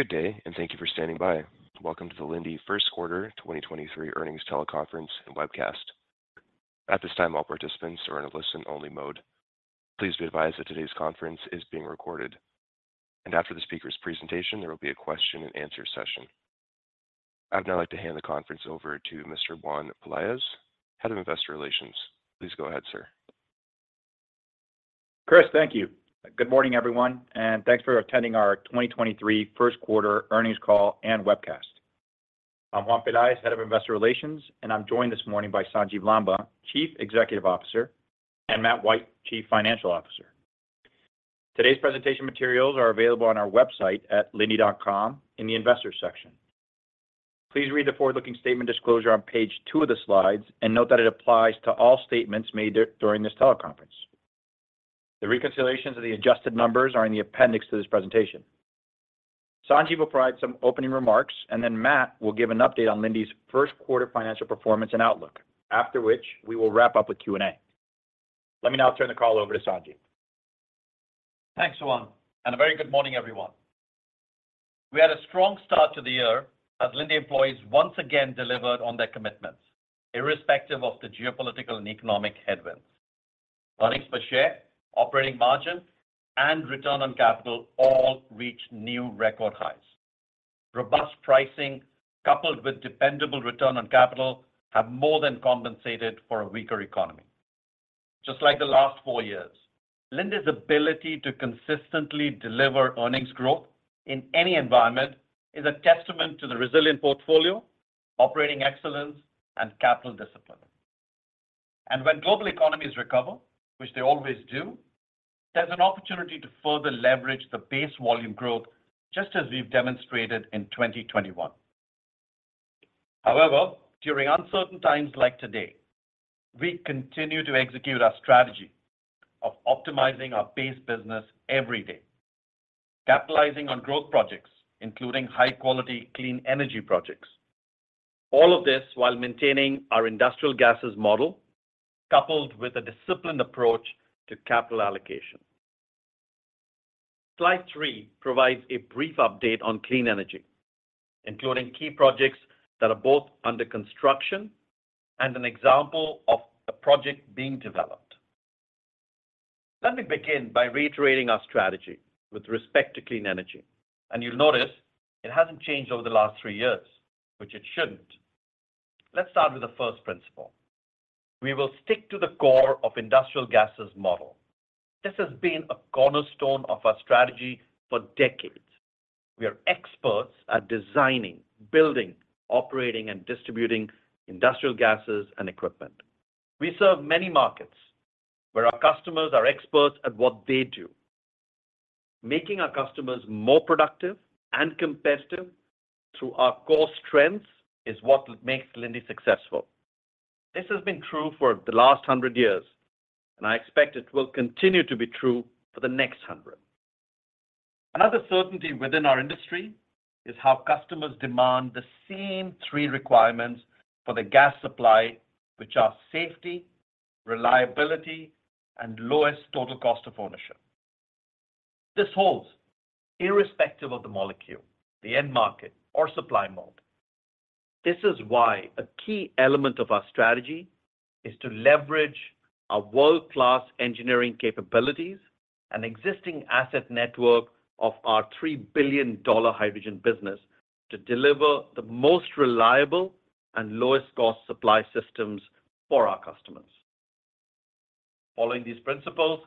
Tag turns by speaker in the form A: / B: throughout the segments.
A: Good day. Thank you for standing by. Welcome to the Linde First Quarter 2023 Earnings Teleconference and Webcast. At this time, all participants are in a listen-only mode. Please be advised that today's conference is being recorded. After the speaker's presentation, there will be a question-and-answer session. I'd now like to hand the conference over to Mr. Juan Pelaez, Head of Investor Relations. Please go ahead, sir.
B: Chris, thank you. Good morning, everyone, Thanks for attending our 2023 first quarter earnings call and webcast. I'm Juan Pelaez, Head of Investor Relations, I'm joined this morning by Sanjiv Lamba, Chief Executive Officer, and Matt White, Chief Financial Officer. Today's presentation materials are available on our website at linde.com in the Investors section. Please read the forward-looking statement disclosure on page two of the slides and note that it applies to all statements made during this teleconference. The reconciliations of the adjusted numbers are in the appendix to this presentation. Sanjiv will provide some opening remarks, Matt will give an update on Linde's first quarter financial performance and outlook, after which we will wrap up with Q&A. Let me now turn the call over to Sanjiv.
C: Thanks, Juan. A very good morning, everyone. We had a strong start to the year as Linde employees once again delivered on their commitments irrespective of the geopolitical and economic headwinds. Earnings per share, operating margin, and return on capital all reached new record highs. Robust pricing coupled with dependable return on capital have more than compensated for a weaker economy. Just like the last four years, Linde's ability to consistently deliver earnings growth in any environment is a testament to the resilient portfolio, operating excellence, and capital discipline. When global economies recover, which they always do, there's an opportunity to further leverage the base volume growth, just as we've demonstrated in 2021. During uncertain times like today, we continue to execute our strategy of optimizing our base business every day, capitalizing on growth projects, including high-quality clean energy projects, all of this while maintaining our industrial gases model, coupled with a disciplined approach to capital allocation. Slide three provides a brief update on clean energy, including key projects that are both under construction and an example of a project being developed. Let me begin by reiterating our strategy with respect to clean energy, you'll notice it hasn't changed over the last three years, which it shouldn't. Let's start with the first principle. We will stick to the core of industrial gases model. This has been a cornerstone of our strategy for decades. We are experts at designing, building, operating, and distributing industrial gases and equipment. We serve many markets where our customers are experts at what they do. Making our customers more productive and competitive through our core strengths is what makes Linde successful. This has been true for the last 100 years, and I expect it will continue to be true for the next 100. Another certainty within our industry is how customers demand the same three requirements for the gas supply, which are safety, reliability, and lowest total cost of ownership. This holds irrespective of the molecule, the end market or supply mode. This is why a key element of our strategy is to leverage our world-class engineering capabilities and existing asset network of our $3 billion hydrogen business to deliver the most reliable and lowest cost supply systems for our customers. Following these principles,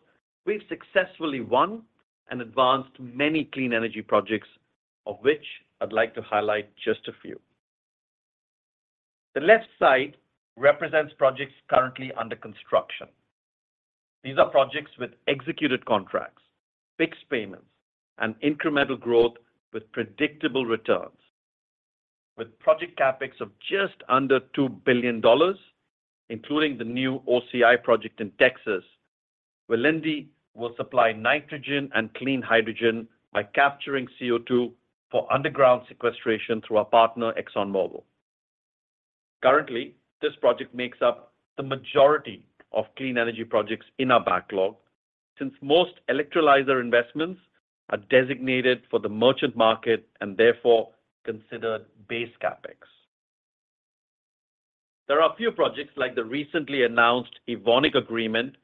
C: we've successfully won and advanced many clean energy projects, of which I'd like to highlight just a few. The left side represents projects currently under construction. These are projects with executed contracts, fixed payments, and incremental growth with predictable returns. With project CapEx of just under $2 billion, including the new OCI project in Texas, where Linde will supply nitrogen and clean hydrogen by capturing CO2 for underground sequestration through our partner, ExxonMobil. Currently, this project makes up the majority of clean energy projects in our backlog since most electrolyzer investments are designated for the merchant market and therefore considered base CapEx. There are a few projects like the recently announced Evonik agreement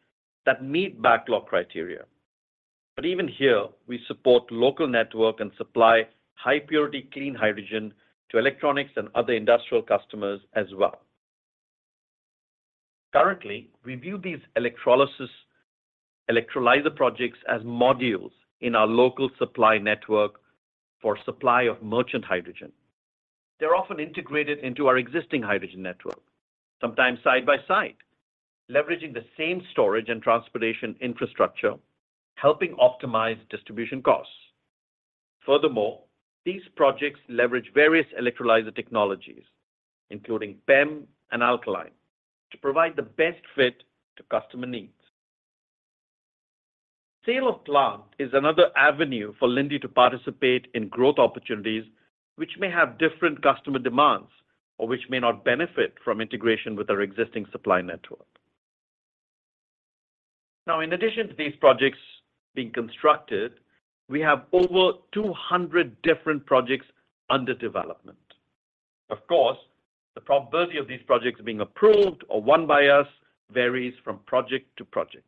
C: that meet backlog criteria. Even here, we support local network and supply high-purity clean hydrogen to electronics and other industrial customers as well. Currently, we view these electrolyzer projects as modules in our local supply network for supply of merchant hydrogen. They're often integrated into our existing hydrogen network, sometimes side by side, leveraging the same storage and transportation infrastructure, helping optimize distribution costs. Furthermore, these projects leverage various electrolyzer technologies, including PEM and alkaline, to provide the best fit to customer needs. Sale of plant is another avenue for Linde to participate in growth opportunities which may have different customer demands or which may not benefit from integration with our existing supply network. In addition to these projects being constructed, we have over 200 different projects under development. Of course, the probability of these projects being approved or won by us varies from project to project.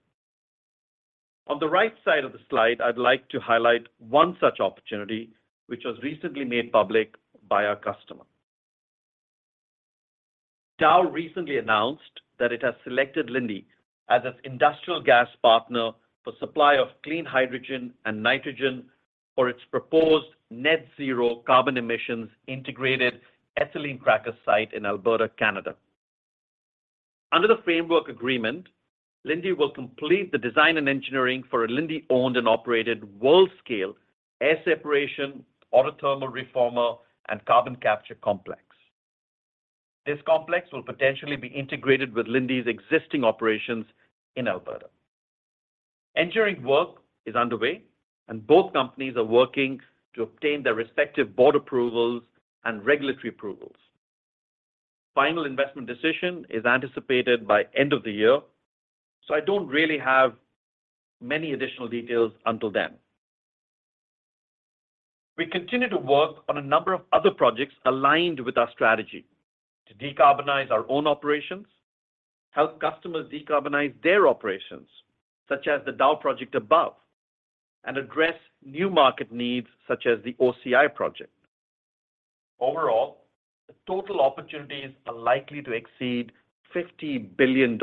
C: On the right side of the slide, I'd like to highlight one such opportunity, which was recently made public by our customer. Dow recently announced that it has selected Linde as its industrial gas partner for supply of clean hydrogen and nitrogen for its proposed net zero carbon emissions integrated ethylene cracker site in Alberta, Canada. Under the framework agreement, Linde will complete the design and engineering for a Linde-owned and operated world-scale air separation, autothermal reformer, and carbon capture complex. This complex will potentially be integrated with Linde's existing operations in Alberta. Engineering work is underway, and both companies are working to obtain their respective board approvals and regulatory approvals. Final investment decision is anticipated by end of the year, I don't really have many additional details until then. We continue to work on a number of other projects aligned with our strategy to decarbonize our own operations, help customers decarbonize their operations, such as the Dow project above, and address new market needs such as the OCI project. Overall, the total opportunities are likely to exceed $50 billion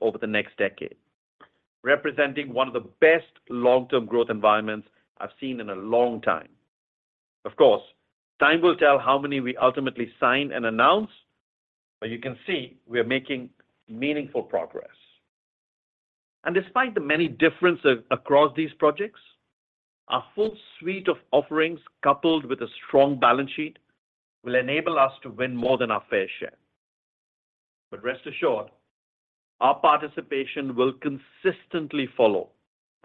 C: over the next decade, representing one of the best long-term growth environments I've seen in a long time. Of course, time will tell how many we ultimately sign and announce, but you can see we are making meaningful progress. Despite the many differences across these projects, our full suite of offerings, coupled with a strong balance sheet, will enable us to win more than our fair share. Rest assured, our participation will consistently follow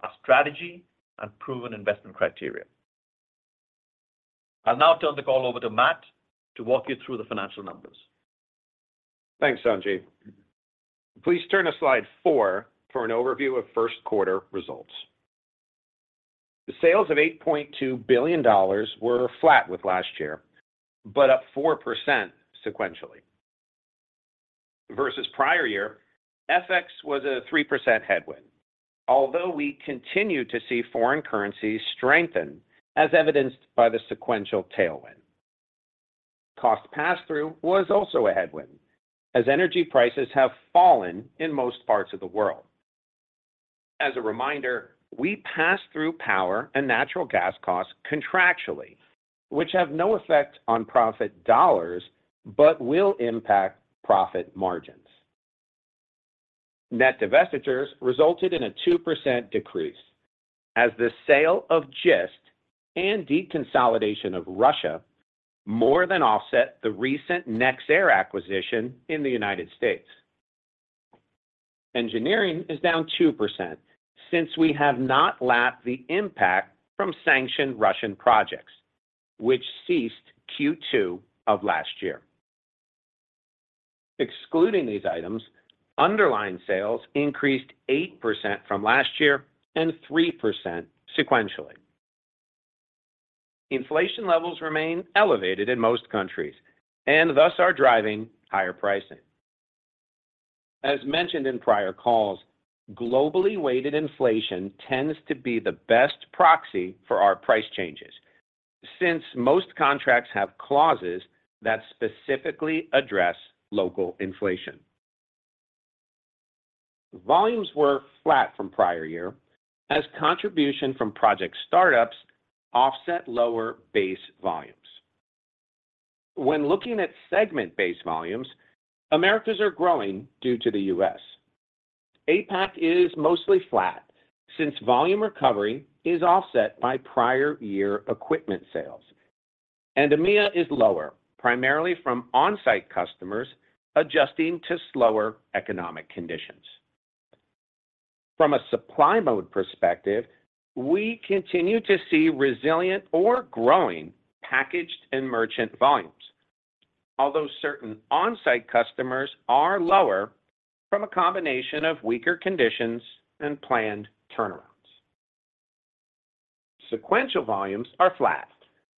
C: our strategy and proven investment criteria. I'll now turn the call over to Matt to walk you through the financial numbers.
D: Thanks, Sanjiv. Please turn to slide four for an overview of first quarter results. The sales of $8.2 billion were flat with last year, but up 4% sequentially. Versus prior year, FX was a 3% headwind, although we continue to see foreign currency strengthen, as evidenced by the sequential tailwind. Cost passthrough was also a headwind as energy prices have fallen in most parts of the world. As a reminder, we pass through power and natural gas costs contractually, which have no effect on profit dollars but will impact profit margins. Net divestitures resulted in a 2% decrease as the sale of Gist and deconsolidation of Russia more than offset the recent nexAir acquisition in the United States. Engineering is down 2% since we have not lapped the impact from sanctioned Russian projects, which ceased Q2 of last year. Excluding these items, underlying sales increased 8% from last year and 3% sequentially. Inflation levels remain elevated in most countries and thus are driving higher pricing. As mentioned in prior calls, globally weighted inflation tends to be the best proxy for our price changes since most contracts have clauses that specifically address local inflation. Volumes were flat from prior year as contribution from project startups offset lower base volumes. When looking at segment base volumes, Americas are growing due to the U.S. APAC is mostly flat since volume recovery is offset by prior year equipment sales. EMEA is lower, primarily from on-site customers adjusting to slower economic conditions. From a supply mode perspective, we continue to see resilient or growing packaged and merchant volumes, although certain on-site customers are lower from a combination of weaker conditions and planned turnarounds. Sequential volumes are flat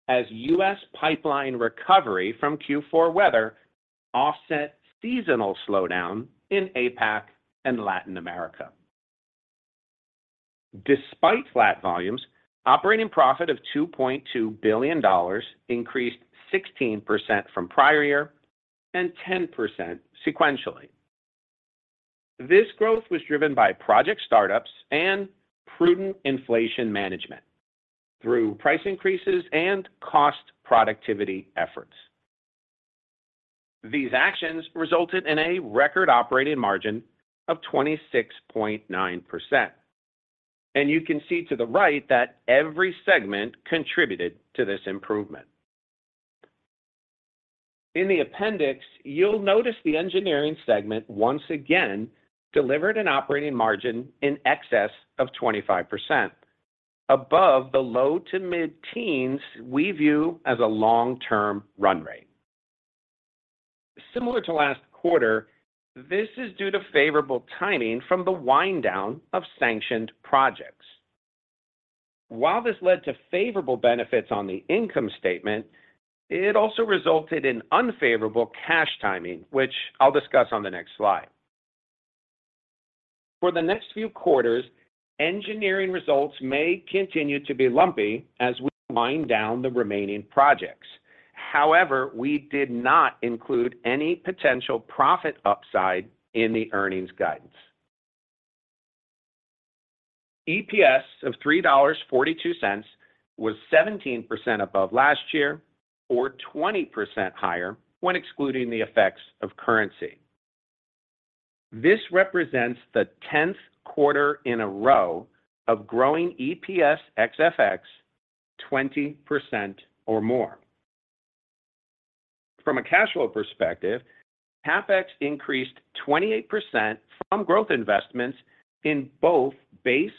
D: as U.S. pipeline recovery from Q4 weather offset seasonal slowdown in APAC and Latin America. Despite flat volumes, operating profit of $2.2 billion increased 16% from prior year and 10% sequentially. This growth was driven by project startups and prudent inflation management through price increases and cost productivity efforts. These actions resulted in a record operating margin of 26.9%, and you can see to the right that every segment contributed to this improvement. In the appendix, you'll notice the engineering segment once again delivered an operating margin in excess of 25%, above the low to mid-teens we view as a long-term run rate. Similar to last quarter, this is due to favorable timing from the wind down of sanctioned projects. While this led to favorable benefits on the income statement, it also resulted in unfavorable cash timing, which I'll discuss on the next slide. For the next few quarters, engineering results may continue to be lumpy as we wind down the remaining projects. However, we did not include any potential profit upside in the earnings guidance. EPS of $3.42 was 17% above last year or 20% higher when excluding the effects of currency. This represents the 10th quarter in a row of growing EPS ex FX 20% or more. From a cash flow perspective, CapEx increased 28% from growth investments in both base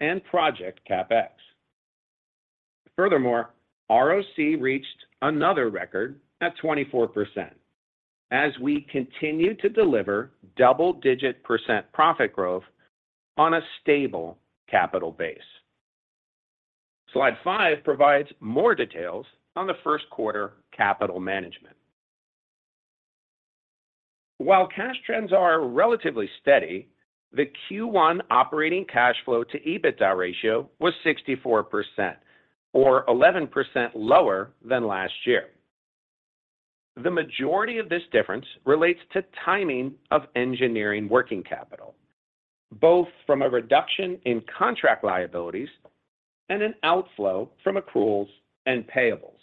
D: and project CapEx. Furthermore, ROC reached another record at 24% as we continue to deliver double-digit % profit growth on a stable capital base. Slide five provides more details on the first quarter capital management. While cash trends are relatively steady, the Q1 operating cash flow to EBITDA ratio was 64% or 11% lower than last year. The majority of this difference relates to timing of engineering working capital, both from a reduction in contract liabilities and an outflow from accruals and payables.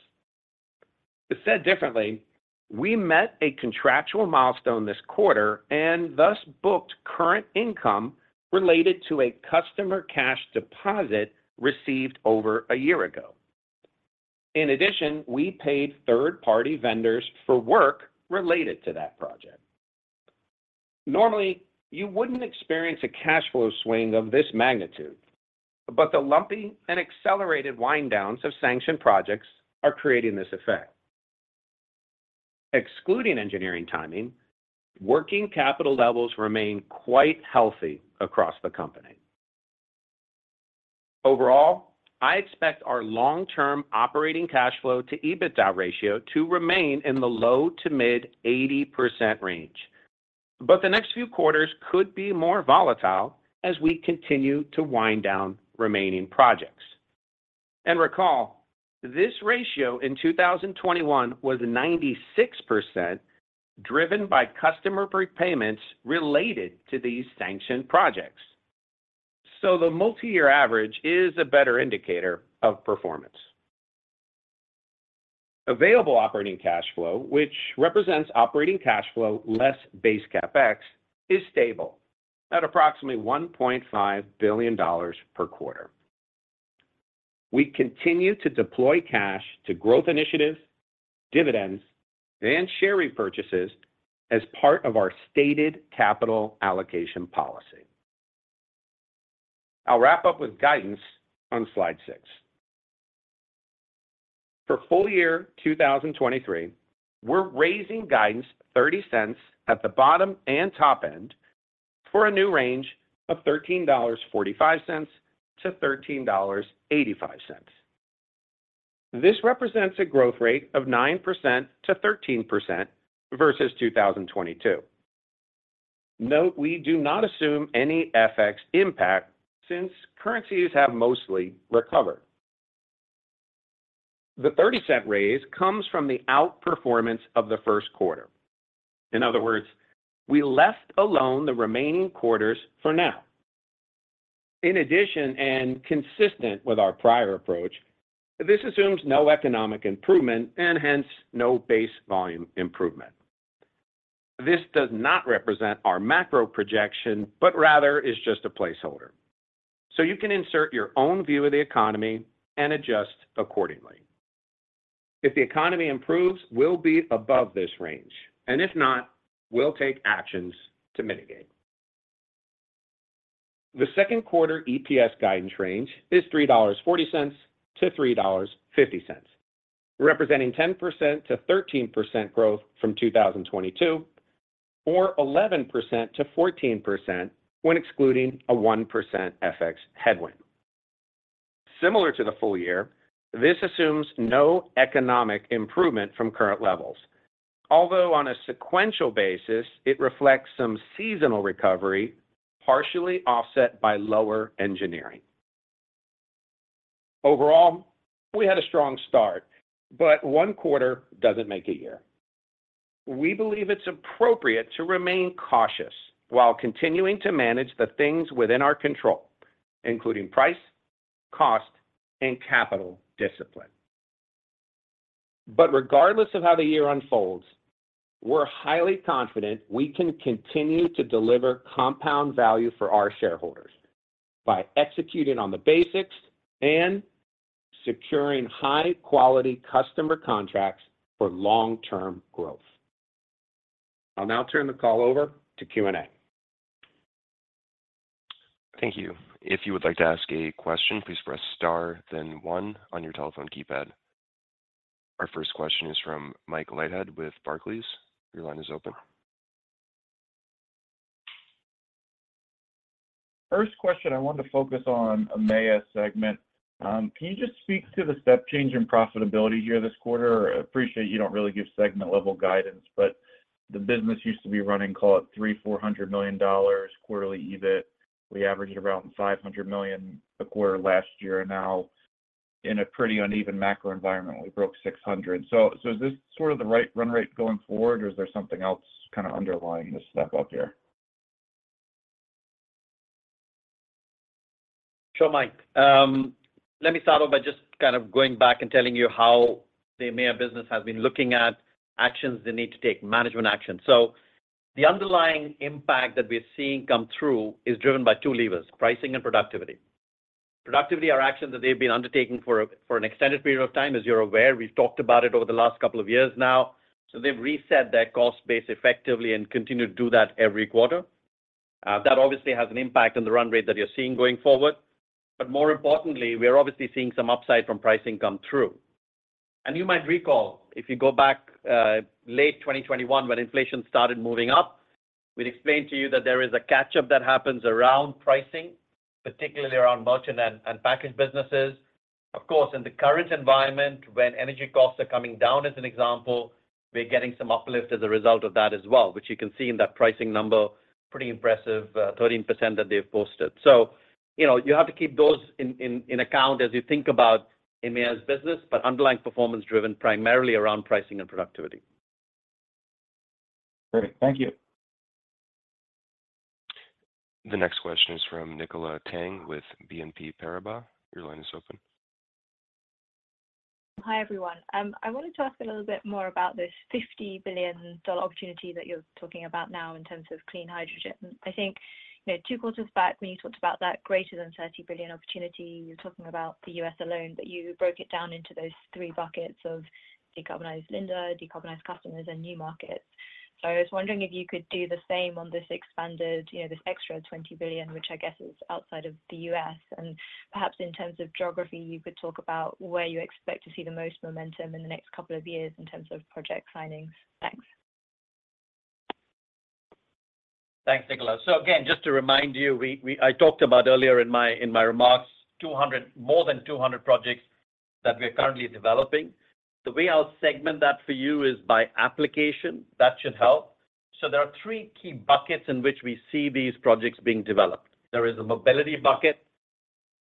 D: Said differently, we met a contractual milestone this quarter and thus booked current income related to a customer cash deposit received over a year ago. In addition, we paid third-party vendors for work related to that project. Normally, you wouldn't experience a cash flow swing of this magnitude, but the lumpy and accelerated wind downs of sanctioned projects are creating this effect. Excluding engineering timing, working capital levels remain quite healthy across the company. Overall, I expect our long-term operating cash flow to EBITDA ratio to remain in the low to mid 80% range. The next few quarters could be more volatile as we continue to wind down remaining projects. Recall, this ratio in 2021 was 96%, driven by customer prepayments related to these sanctioned projects. The multi-year average is a better indicator of performance. Available operating cash flow, which represents operating cash flow less base CapEx, is stable at approximately $1.5 billion per quarter. We continue to deploy cash to growth initiatives, dividends, and share repurchases as part of our stated capital allocation policy. I'll wrap up with guidance on slide six. For full year 2023, we're raising guidance $0.30 at the bottom and top end for a new range of $13.45-$13.85. This represents a growth rate of 9%-13% versus 2022. We do not assume any FX impact since currencies have mostly recovered. The $0.30 raise comes from the outperformance of the first quarter. In other words, we left alone the remaining quarters for now. In addition and consistent with our prior approach, this assumes no economic improvement and hence no base volume improvement. This does not represent our macro projection, but rather is just a placeholder. You can insert your own view of the economy and adjust accordingly. If the economy improves, we'll be above this range, and if not, we'll take actions to mitigate. The second quarter EPS guidance range is $3.40-$3.50, representing 10%-13% growth from 2022, or 11%-14% when excluding a 1% FX headwind. Similar to the full year, this assumes no economic improvement from current levels. Although on a sequential basis, it reflects some seasonal recovery, partially offset by lower engineering. Overall, we had a strong start, but one quarter doesn't make a year. We believe it's appropriate to remain cautious while continuing to manage the things within our control, including price, cost, and capital discipline. Regardless of how the year unfolds, we're highly confident we can continue to deliver compound value for our shareholders by executing on the basics and securing high-quality customer contracts for long-term growth. I'll now turn the call over to Q&A.
A: Thank you. If you would like to ask a question, please press star then one on your telephone keypad. Our first question is from Mike Leithead with Barclays. Your line is open.
E: I wanted to focus on EMEA segment. Can you just speak to the step change in profitability here this quarter? I appreciate you don't really give segment-level guidance, but the business used to be running, call it $300 million-$400 million quarterly EBITDA. We averaged around $500 million a quarter last year. Now in a pretty uneven macro environment, we broke $600 million. Is this sort of the right run rate going forward, or is there something else kind of underlying this step up here?
C: Sure, Mike. let me start off by just kind of going back and telling you how the EMEA business has been looking at actions they need to take, management actions. The underlying impact that we're seeing come through is driven by two levers: pricing and productivity. Productivity are actions that they've been undertaking for an extended period of time. As you're aware, we've talked about it over the last couple of years now. They've reset their cost base effectively and continue to do that every quarter. That obviously has an impact on the run rate that you're seeing going forward. More importantly, we are obviously seeing some upside from pricing come through. You might recall, if you go back, late 2021, when inflation started moving up, we'd explained to you that there is a catch-up that happens around pricing, particularly around merchant and packaged businesses. Of course, in the current environment, when energy costs are coming down, as an example, we're getting some uplift as a result of that as well, which you can see in that pricing number, pretty impressive, 13% that they've posted. You know, you have to keep those in account as you think about EMEA's business. Underlying performance driven primarily around pricing and productivity.
E: Great. Thank you.
A: The next question is from Nicola Tang with BNP Paribas. Your line is open.
F: Hi, everyone. I wanted to ask a little bit more about this $50 billion opportunity that you're talking about now in terms of clean hydrogen. I think, you know, two quarters back when you talked about that greater than $30 billion opportunity, you were talking about the U.S. alone, but you broke it down into those three buckets of decarbonized Linde, decarbonized customers, and new markets. I was wondering if you could do the same on this expanded, you know, this extra $20 billion, which I guess is outside of the U.S. Perhaps in terms of geography, you could talk about where you expect to see the most momentum in the next couple of years in terms of project signings. Thanks.
C: Thanks, Nicola. Again, just to remind you, I talked about earlier in my remarks, more than 200 projects that we are currently developing. The way I'll segment that for you is by application. That should help. There are three key buckets in which we see these projects being developed. There is a mobility bucket,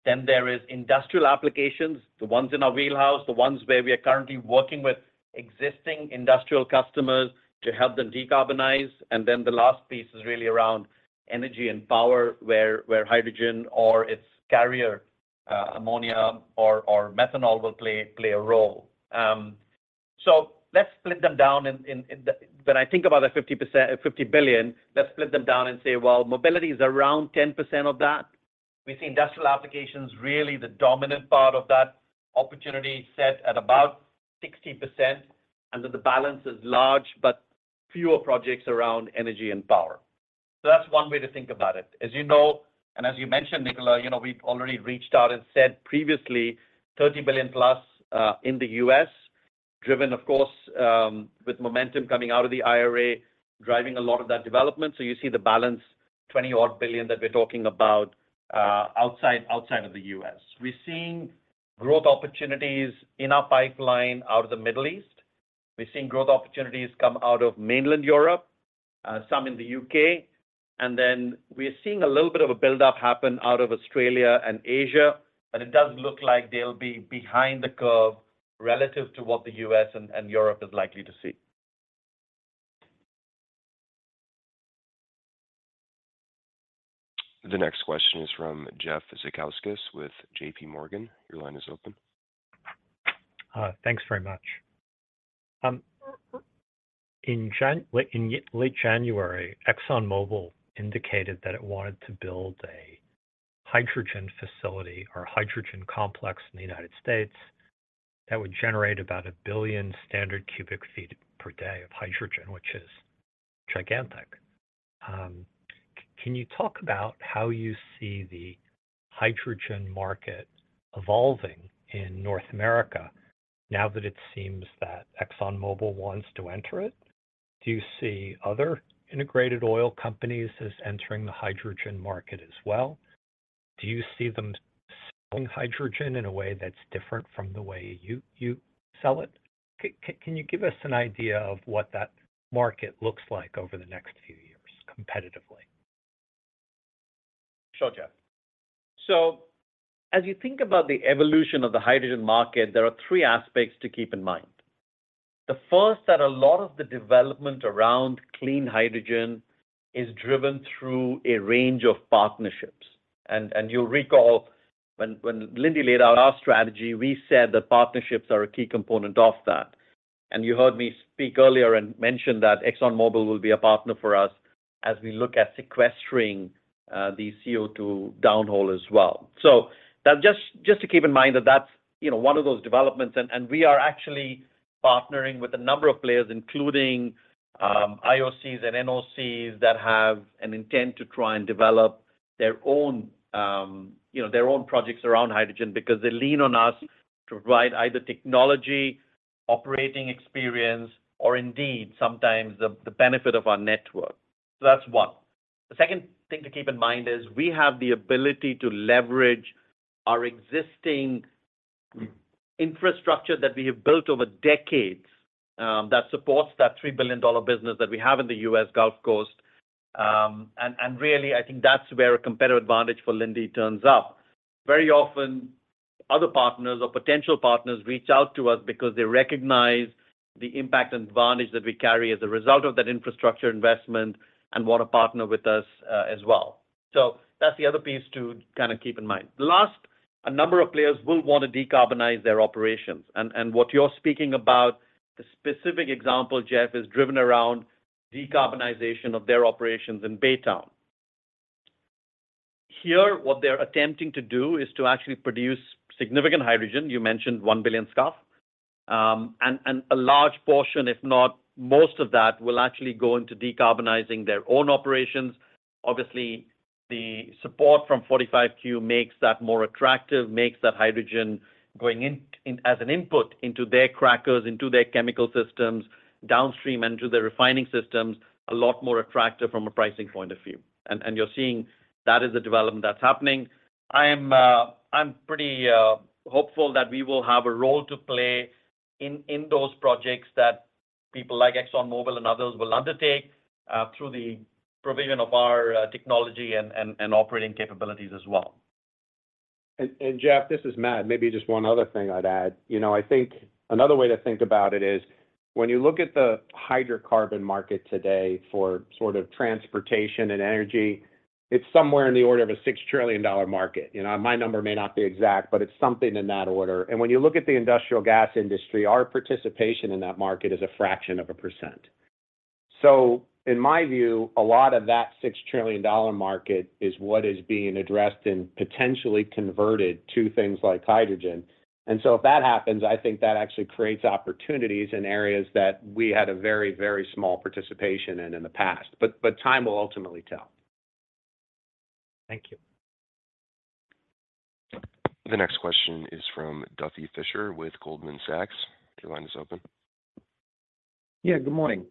C: then there is industrial applications, the ones in our wheelhouse, the ones where we are currently working with existing industrial customers to help them decarbonize. The last piece is really around energy and power, where hydrogen or its carrier, ammonia or methanol will play a role. Let's split them down. When I think about that $50 billion, let's split them down and say, well, mobility is around 10% of that. We see industrial applications, really the dominant part of that opportunity set at about 60%, and that the balance is large, but fewer projects around energy and power. That's one way to think about it. As you know, and as you mentioned, Nicola, you know, we've already reached out and said previously $30 billion+ in the U.S., driven, of course, with momentum coming out of the IRA, driving a lot of that development. You see the balance, $20-odd billion that we're talking about, outside of the U.S. We're seeing growth opportunities in our pipeline out of the Middle East. We're seeing growth opportunities come out of mainland Europe, some in the U.K. We are seeing a little bit of a buildup happen out of Australia and Asia, but it does look like they'll be behind the curve relative to what the U.S. and Europe is likely to see.
A: The next question is from Jeff Zekauskas with J.P. Morgan. Your line is open.
G: Thanks very much. In late January, ExxonMobil indicated that it wanted to build a hydrogen facility or a hydrogen complex in the United States that would generate about 1 billion standard cubic feet per day of hydrogen, which is gigantic. Can you talk about how you see the hydrogen market evolving in North America now that it seems that ExxonMobil wants to enter it? Do you see other integrated oil companies as entering the hydrogen market as well? Do you see them selling hydrogen in a way that's different from the way you sell it? Can you give us an idea of what that market looks like over the next few years competitively?
C: Sure, Jeff. As you think about the evolution of the hydrogen market, there are three aspects to keep in mind. The first, that a lot of the development around clean hydrogen is driven through a range of partnerships. And you'll recall when Linde laid out our strategy, we said that partnerships are a key component of that. And you heard me speak earlier and mention that ExxonMobil will be a partner for us as we look at sequestering the CO2 downhole as well. Now just to keep in mind that that's, you know, one of those developments, and we are actually partnering with a number of players, including IOCs and NOCs that have an intent to try and develop their own, you know, their own projects around hydrogen because they lean on us to provide either technology, operating experience or indeed sometimes the benefit of our network. The second thing to keep in mind is we have the ability to leverage our existing infrastructure that we have built over decades, that supports that $3 billion business that we have in the U.S. Gulf Coast. Really, I think that's where a competitive advantage for Linde turns up. Very often, other partners or potential partners reach out to us because they recognize the impact and advantage that we carry as a result of that infrastructure investment and want to partner with us as well. That's the other piece to kind of keep in mind. Last, a number of players will want to decarbonize their operations. What you're speaking about, the specific example, Jeff, is driven around decarbonization of their operations in Baytown. Here, what they're attempting to do is to actually produce significant hydrogen. You mentioned 1 billion scfd. A large portion, if not most of that, will actually go into decarbonizing their own operations. Obviously, the support from 45Q makes that more attractive, makes that hydrogen going in as an input into their crackers, into their chemical systems downstream, and to the refining systems a lot more attractive from a pricing point of view. You're seeing that is a development that's happening. I am, I'm pretty hopeful that we will have a role to play in those projects that people like ExxonMobil and others will undertake through the provision of our technology and operating capabilities as well.
D: Jeff, this is Matt. Maybe just one other thing I'd add. You know, I think another way to think about it is when you look at the hydrocarbon market today for sort of transportation and energy, it's somewhere in the order of a $6 trillion market. You know, my number may not be exact, but it's something in that order. When you look at the industrial gas industry, our participation in that market is a fraction of a %. In my view, a lot of that $6 trillion market is what is being addressed and potentially converted to things like hydrogen. If that happens, I think that actually creates opportunities in areas that we had a very small participation in the past. Time will ultimately tell.
G: Thank you.
A: The next question is from Duffy Fischer with Goldman Sachs. Your line is open.
H: Yeah, good morning.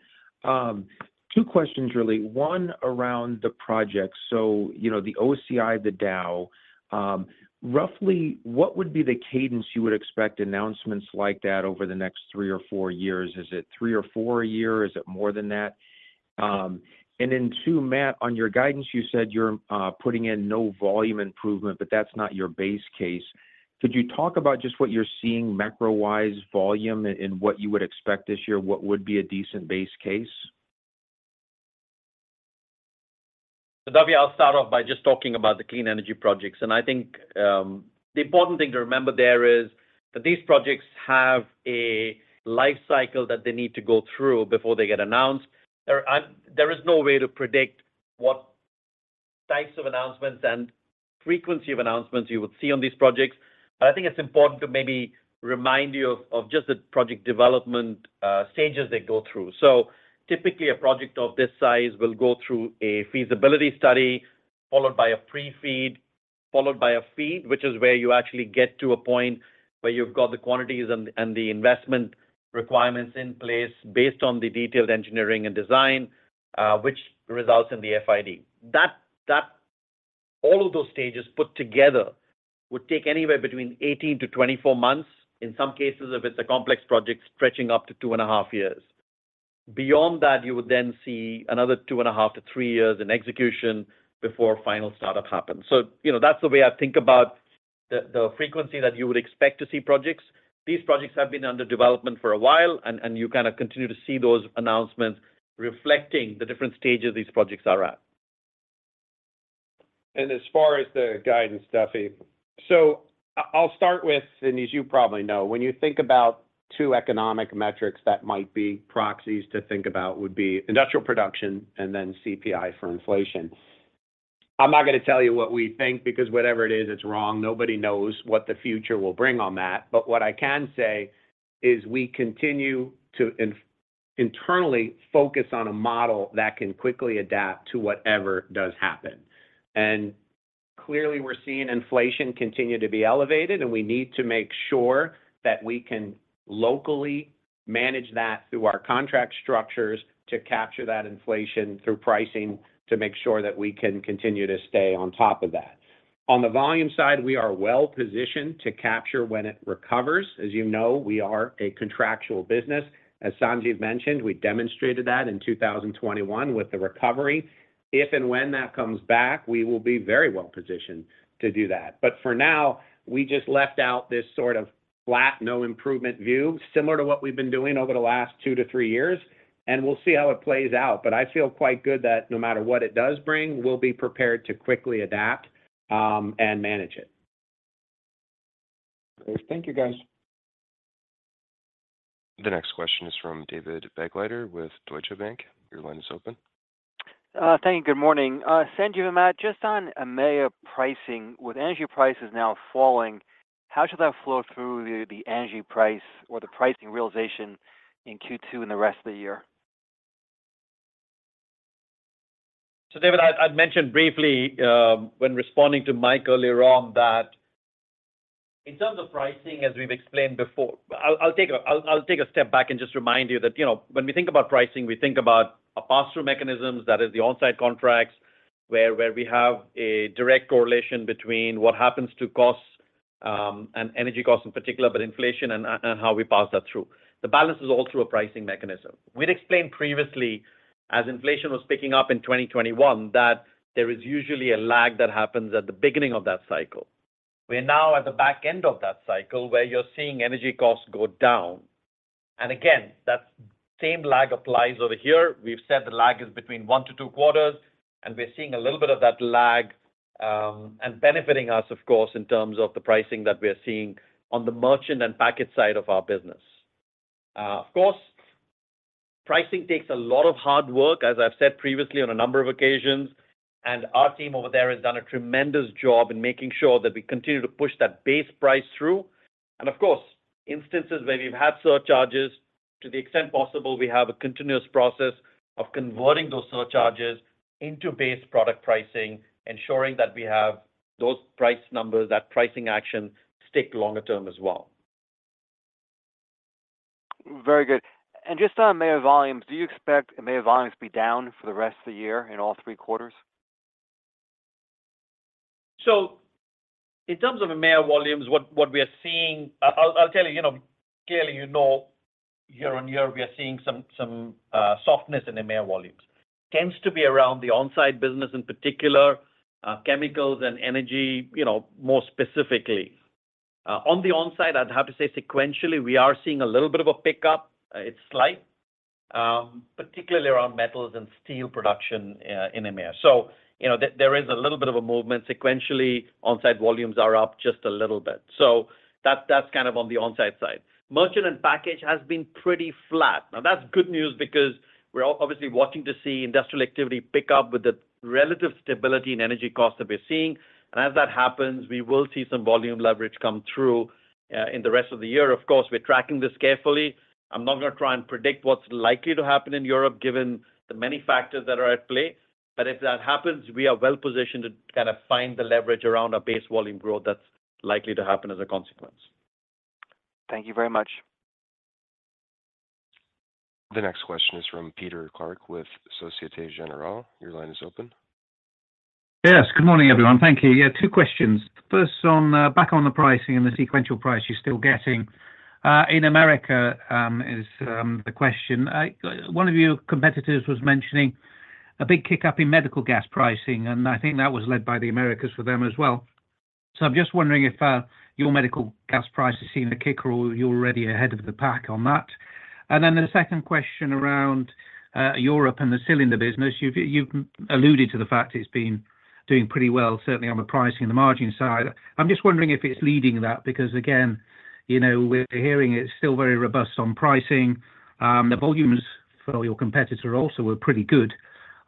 H: Two questions really. One around the project. You know, the OCI, the Dow, roughly what would be the cadence you would expect announcements like that over the next three or four years? Is it three or four a year? Is it more than that? Two, Matt, on your guidance, you said you're putting in no volume improvement, but that's not your base case. Could you talk about just what you're seeing macro-wise volume and what you would expect this year? What would be a decent base case?
C: Duffy, I'll start off by just talking about the clean energy projects. I think, the important thing to remember there is that these projects have a life cycle that they need to go through before they get announced. There is no way to predict what types of announcements and frequency of announcements you would see on these projects. I think it's important to maybe remind you of just the project development stages they go through. Typically a project of this size will go through a feasibility study, followed by a pre-FEED, followed by a FEED, which is where you actually get to a point where you've got the quantities and the investment requirements in place based on the detailed engineering and design, which results in the FID. That all of those stages put together would take anywhere between 18-24 months, in some cases, if it's a complex project, stretching up to 2.5 years. Beyond that, you would then see another 2.5 to three years in execution before final startup happens. You know, that's the way I think about the frequency that you would expect to see projects. These projects have been under development for a while, and you kind of continue to see those announcements reflecting the different stages these projects are at.
D: As far as the guidance, Duffy. I'll start with, as you probably know, when you think about two economic metrics that might be proxies to think about would be industrial production and then CPI for inflation. I'm not going to tell you what we think because whatever it is, it's wrong. Nobody knows what the future will bring on that. What I can say is we continue to internally focus on a model that can quickly adapt to whatever does happen. Clearly, we're seeing inflation continue to be elevated, and we need to make sure that we can locally manage that through our contract structures to capture that inflation through pricing to make sure that we can continue to stay on top of that. On the volume side, we are well positioned to capture when it recovers. As you know, we are a contractual business. As Sanjiv mentioned, we demonstrated that in 2021 with the recovery. If and when that comes back, we will be very well positioned to do that. For now, we just left out this sort of flat, no improvement view, similar to what we've been doing over the last two to three years, and we'll see how it plays out. I feel quite good that no matter what it does bring, we'll be prepared to quickly adapt and manage it.
H: Thank you, guys.
A: The next question is from David Begleiter with Deutsche Bank. Your line is open.
I: Thank you. Good morning. Sanjiv and Matt, just on EMEA pricing, with energy prices now falling, how should that flow through the energy price or the pricing realization in Q2 and the rest of the year?
C: David, I'd mentioned briefly, when responding to Mike earlier on that in terms of pricing, as we've explained before. I'll take a step back and just remind you that, you know, when we think about pricing, we think about a pass-through mechanisms, that is the on-site contracts, where we have a direct correlation between what happens to costs, and energy costs in particular, but inflation and how we pass that through. The balance is also a pricing mechanism. We'd explained previously, as inflation was picking up in 2021, that there is usually a lag that happens at the beginning of that cycle. We're now at the back end of that cycle, where you're seeing energy costs go down. Again, that same lag applies over here. We've said the lag is between one to two quarters, and we're seeing a little bit of that lag, and benefiting us of course, in terms of the pricing that we're seeing on the merchant and packaged side of our business. Of course, pricing takes a lot of hard work, as I've said previously on a number of occasions, and our team over there has done a tremendous job in making sure that we continue to push that base price through. Of course, instances where we've had surcharges, to the extent possible, we have a continuous process of converting those surcharges into base product pricing, ensuring that we have those price numbers, that pricing action stick longer term as well.
I: Very good. Just on EMEA volumes, do you expect EMEA volumes to be down for the rest of the year in all three quarters?
C: In terms of EMEA volumes, what we are seeing, I'll tell you know, clearly, you know, year-on-year, we are seeing some softness in EMEA volumes. Tends to be around the on-site business in particular, chemicals and energy, you know, more specifically. On the on-site, I'd have to say sequentially, we are seeing a little bit of a pickup. It's slight, particularly around metals and steel production in EMEA. You know, there is a little bit of a movement. Sequentially, on-site volumes are up just a little bit. That's, that's kind of on the on-site side. Merchant and package has been pretty flat. That's good news because we're obviously watching to see industrial activity pick up with the relative stability in energy costs that we're seeing, and as that happens, we will see some volume leverage come through in the rest of the year. Of course, we're tracking this carefully. I'm not gonna try and predict what's likely to happen in Europe given the many factors that are at play. If that happens, we are well positioned to kind of find the leverage around a base volume growth that's likely to happen as a consequence.
I: Thank you very much.
A: The next question is from Peter Clark with Société Générale. Your line is open.
J: Yes. Good morning, everyone. Thank you. Two questions. First on back on the pricing and the sequential price you're still getting in America is the question. One of your competitors was mentioning a big kick-up in medical gas pricing, and I think that was led by the Americas for them as well. I'm just wondering if your medical gas price has seen a kick or you're already ahead of the pack on that. The second question around Europe and the cylinder business. You've alluded to the fact it's been doing pretty well, certainly on the pricing and the margin side. I'm just wondering if it's leading that, because again, you know, we're hearing it's still very robust on pricing. The volumes for your competitor also were pretty good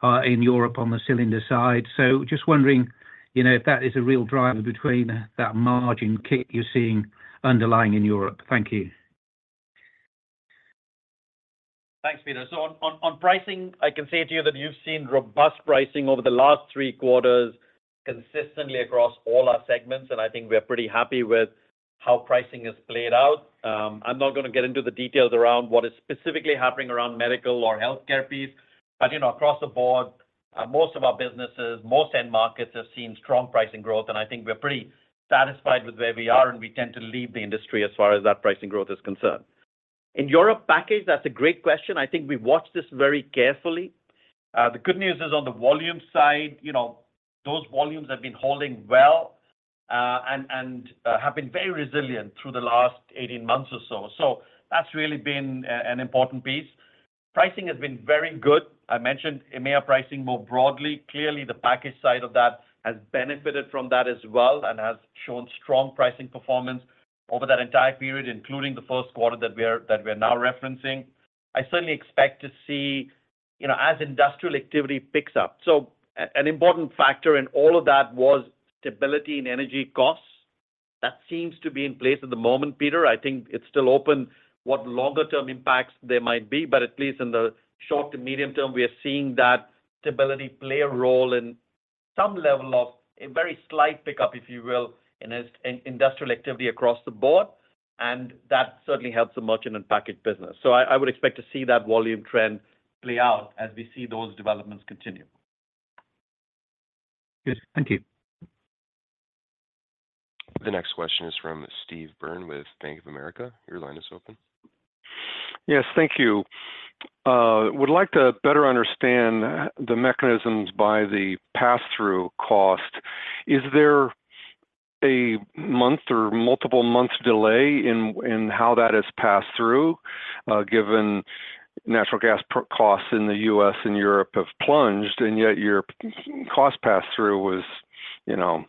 J: in Europe on the cylinder side. Just wondering, you know, if that is a real driver between that margin kick you're seeing underlying in Europe? Thank you.
C: Thanks, Peter. On pricing, I can say to you that you've seen robust pricing over the last three quarters consistently across all our segments, and I think we're pretty happy with how pricing has played out. I'm not gonna get into the details around what is specifically happening around medical or healthcare piece, but you know, across the board, most of our businesses, most end markets have seen strong pricing growth. I think we're pretty satisfied with where we are, and we tend to lead the industry as far as that pricing growth is concerned. In Europe package, that's a great question. I think we've watched this very carefully. The good news is on the volume side, you know, those volumes have been holding well, and have been very resilient through the last 18 months or so. That's really been an important piece. Pricing has been very good. I mentioned EMEA pricing more broadly. Clearly, the package side of that has benefited from that as well and has shown strong pricing performance over that entire period, including the first quarter that we're now referencing. I certainly expect to see, you know, as industrial activity picks up. An important factor in all of that was stability in energy costs. That seems to be in place at the moment, Peter. I think it's still open what longer term impacts there might be, but at least in the short to medium term, we are seeing that stability play a role in some level of a very slight pickup, if you will, in industrial activity across the board, and that certainly helps the merchant and package business. I would expect to see that volume trend play out as we see those developments continue.
J: Good. Thank you.
A: The next question is from Steve Brown with Bank of America. Your line is open.
K: Yes. Thank you. Would like to better understand the mechanisms by the pass-through cost. Is there a month or multiple months delay in how that is passed through, given natural gas costs in the U.S. and Europe have plunged, and yet your cost pass-through was, you know?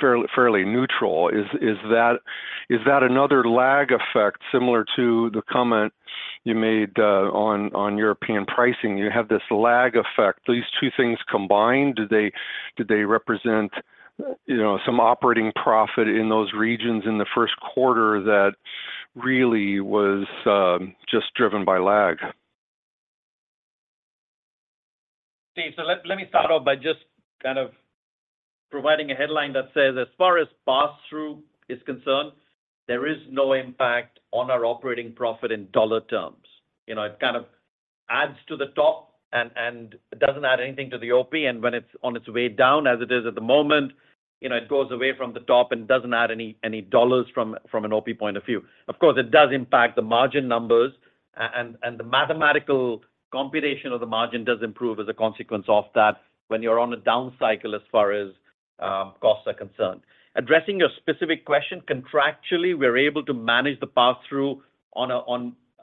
K: Fairly neutral. Is that another lag effect similar to the comment you made on European pricing? You have this lag effect. These two things combined, do they represent, you know, some operating profit in those regions in the first quarter that really was just driven by lag?
C: Steve, let me start off by just kind of providing a headline that says, as far as pass-through is concerned, there is no impact on our operating profit in dollar terms. You know, it kind of adds to the top and doesn't add anything to the OP. When it's on its way down, as it is at the moment, you know, it goes away from the top and doesn't add any dollars from an OP point of view. Of course, it does impact the margin numbers and the mathematical computation of the margin does improve as a consequence of that when you're on a down cycle as far as costs are concerned. Addressing your specific question, contractually, we're able to manage the pass-through on a,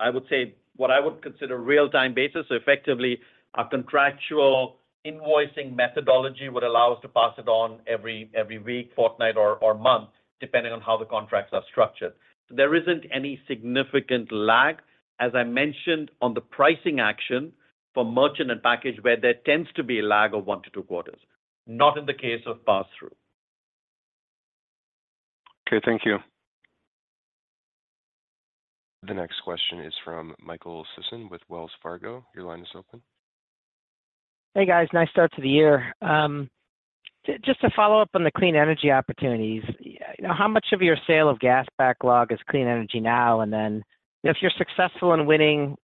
C: I would say, what I would consider real-time basis. Effectively, our contractual invoicing methodology would allow us to pass it on every week, fortnight, or month, depending on how the contracts are structured. There isn't any significant lag. As I mentioned on the pricing action for merchant and package, where there tends to be a lag of one to two quarters, not in the case of pass-through.
L: Okay, thank you.
A: The next question is from Michael Sison with Wells Fargo. Your line is open.
M: Hey, guys. Nice start to the year. Just to follow up on the clean energy opportunities, you know, how much of your sale of gas backlog is clean energy now? If you're successful in winning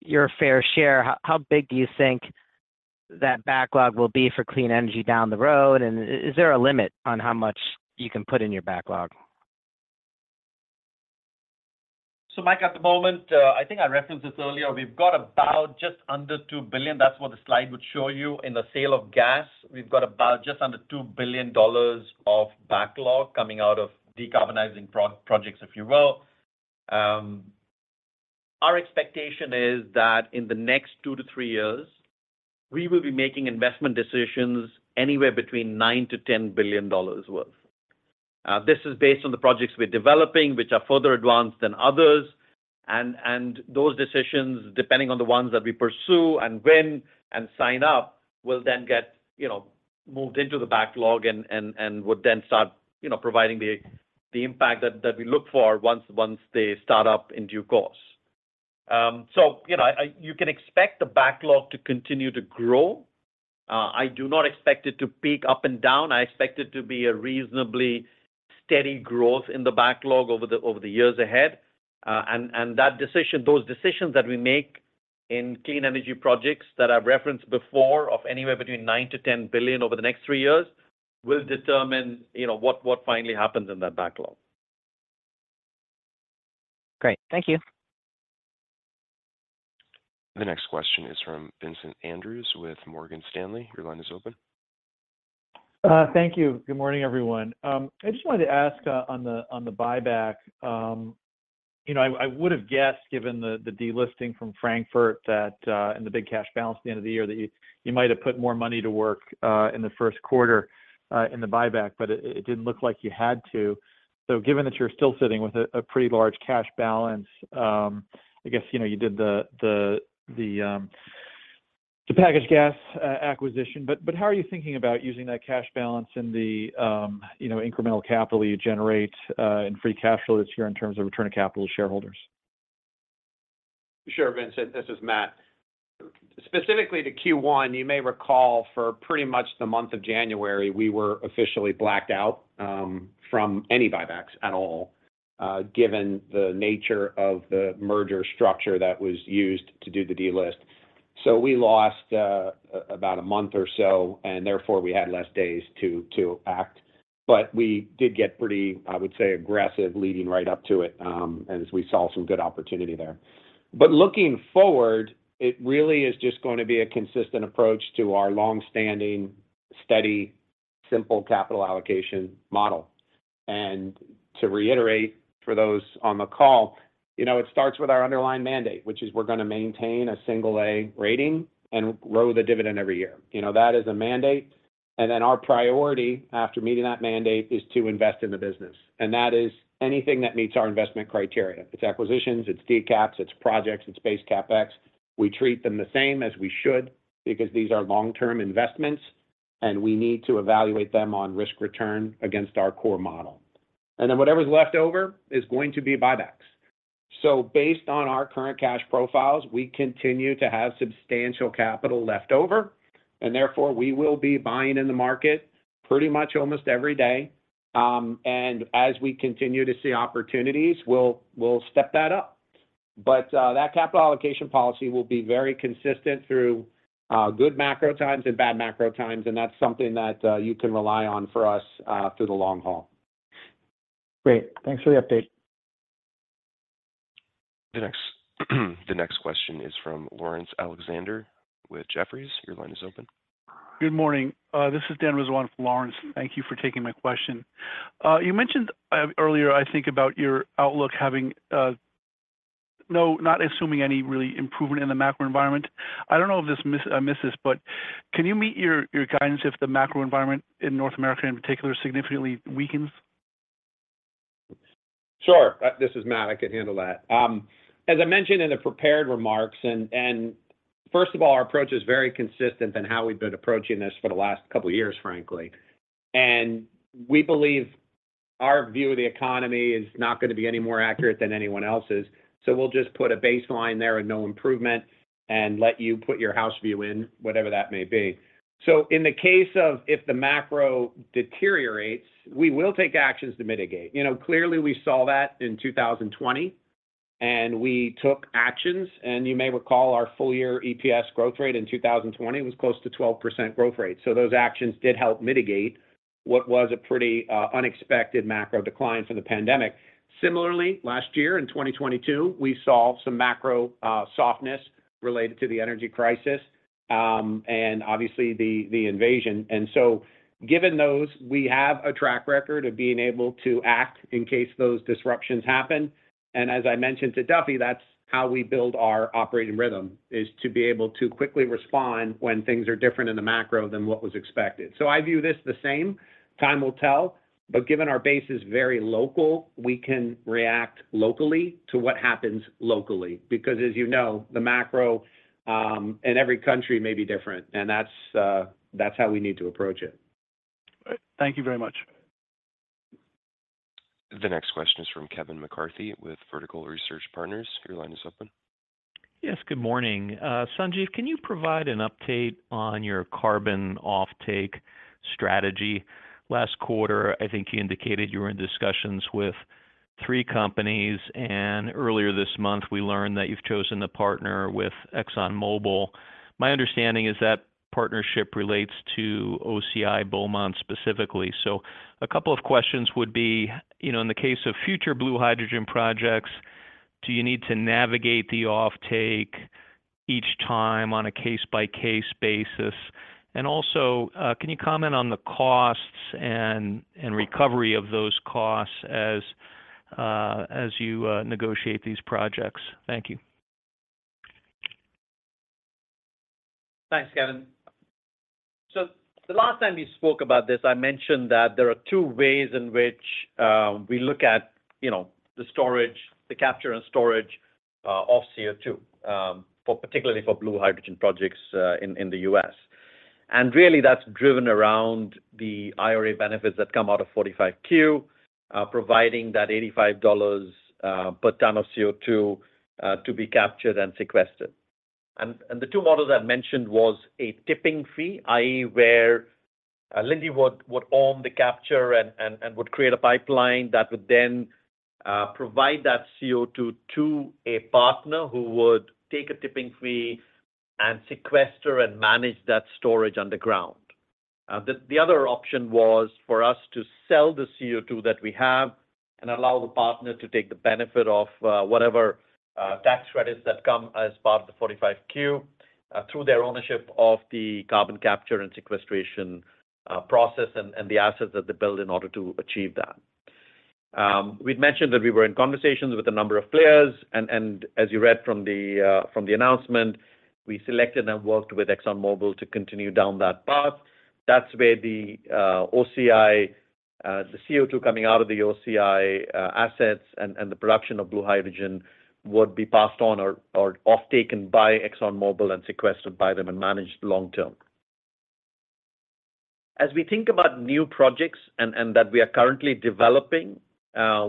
M: your fair share, how big do you think that backlog will be for clean energy down the road? Is there a limit on how much you can put in your backlog?
C: Mike, at the moment, I think I referenced this earlier, we've got about just under $2 billion. That's what the slide would show you in the sale of gas. We've got about just under $2 billion of backlog coming out of decarbonizing projects, if you will. Our expectation is that in the next two to three years, we will be making investment decisions anywhere between $9 billion-$10 billion worth. This is based on the projects we're developing, which are further advanced than others. Those decisions, depending on the ones that we pursue and win and sign up, will then get, you know, moved into the backlog and would then start, you know, providing the impact that we look for once they start up in due course. You know, you can expect the backlog to continue to grow. I do not expect it to peak up and down. I expect it to be a reasonably steady growth in the backlog over the years ahead. That decision, those decisions that we make in clean energy projects that I've referenced before of anywhere between $9 billion-$10 billion over the next three years will determine, you know, what finally happens in that backlog.
M: Great. Thank you.
A: The next question is from Vincent Andrews with Morgan Stanley. Your line is open.
N: Thank you. Good morning, everyone. I just wanted to ask on the buyback, you know, I would have guessed, given the delisting from Frankfurt that, and the big cash balance at the end of the year, that you might have put more money to work in the first quarter in the buyback, but it didn't look like you had to. Given that you're still sitting with a pretty large cash balance, I guess, you know, you did the packaged gas acquisition. How are you thinking about using that cash balance and the, you know, incremental capital you generate in free cash flow this year in terms of return of capital to shareholders?
D: Sure, Vincent, this is Matt. Specifically to Q1, you may recall for pretty much the month of January, we were officially blacked out from any buybacks at all, given the nature of the merger structure that was used to do the delist. We lost about a month or so, and therefore we had less days to act. We did get pretty, I would say, aggressive leading right up to it, as we saw some good opportunity there. Looking forward, it really is just gonna be a consistent approach to our long-standing, steady, simple capital allocation model. To reiterate for those on the call, you know, it starts with our underlying mandate, which is we're gonna maintain a single-A rating and grow the dividend every year. You know, that is a mandate. Our priority after meeting that mandate is to invest in the business, and that is anything that meets our investment criteria. It's acquisitions, it's DCAPs, it's projects, it's base CapEx. We treat them the same as we should because these are long-term investments, and we need to evaluate them on risk return against our core model. Whatever's left over is going to be buybacks. Based on our current cash profiles, we continue to have substantial capital left over, and therefore, we will be buying in the market pretty much almost every day. As we continue to see opportunities, we'll step that up. That capital allocation policy will be very consistent through good macro times and bad macro times, and that's something that you can rely on for us through the long haul.
N: Great. Thanks for the update.
A: The next question is from Laurence Alexander with Jefferies. Your line is open.
O: Good morning. This is Dan Rizzo for Lawrence. Thank you for taking my question. You mentioned earlier, I think about your outlook having No, not assuming any really improvement in the macro environment. I don't know if this I missed this, but can you meet your guidance if the macro environment in North America in particular significantly weakens?
D: Sure. This is Matt. I can handle that. As I mentioned in the prepared remarks and first of all, our approach is very consistent in how we've been approaching this for the last couple of years, frankly. We believe our view of the economy is not going to be any more accurate than anyone else's. We'll just put a baseline there and no improvement and let you put your house view in, whatever that may be. In the case of if the macro deteriorates, we will take actions to mitigate. You know, clearly we saw that in 2020 and we took actions. You may recall our full year EPS growth rate in 2020 was close to 12% growth rate. Those actions did help mitigate what was a pretty unexpected macro decline from the pandemic. Similarly, last year in 2022, we saw some macro softness related to the energy crisis, and obviously the invasion. Given those, we have a track record of being able to act in case those disruptions happen. As I mentioned to Duffy, that's how we build our operating rhythm, is to be able to quickly respond when things are different in the macro than what was expected. I view this the same. Time will tell, but given our base is very local, we can react locally to what happens locally. As you know, the macro in every country may be different and that's how we need to approach it.
O: Thank you very much.
A: The next question is from Kevin McCarthy with Vertical Research Partners. Your line is open.
P: Yes, good morning. Sanjiv, can you provide an update on your carbon offtake strategy? Last quarter, I think you indicated you were in discussions with three companies, and earlier this month we learned that you've chosen to partner with ExxonMobil. My understanding is that partnership relates to OCI Beaumont specifically. A couple of questions would be, you know, in the case of future blue hydrogen projects, do you need to navigate the offtake each time on a case-by-case basis? Also, can you comment on the costs and recovery of those costs as you negotiate these projects? Thank you.
C: Thanks, Kevin. The last time we spoke about this, I mentioned that there are two ways in which we look at, you know, the storage, the capture and storage of CO2 for particularly for blue hydrogen projects in the U.S. Really, that's driven around the IRA benefits that come out of 45Q, providing that $85 per ton of CO2 to be captured and sequestered. The two models I mentioned was a tipping fee, i.e., where Linde would own the capture and would create a pipeline that would then provide that CO2 to a partner who would take a tipping fee and sequester and manage that storage underground. The other option was for us to sell the CO2 that we have and allow the partner to take the benefit of whatever tax credits that come as part of the 45Q through their ownership of the carbon capture and sequestration process and the assets that they build in order to achieve that. We'd mentioned that we were in conversations with a number of players and as you read from the announcement, we selected and worked with ExxonMobil to continue down that path. That's where the OCI, the CO2 coming out of the OCI assets and the production of blue hydrogen would be passed on or offtaken by ExxonMobil and sequestered by them and managed long term. As we think about new projects and that we are currently developing,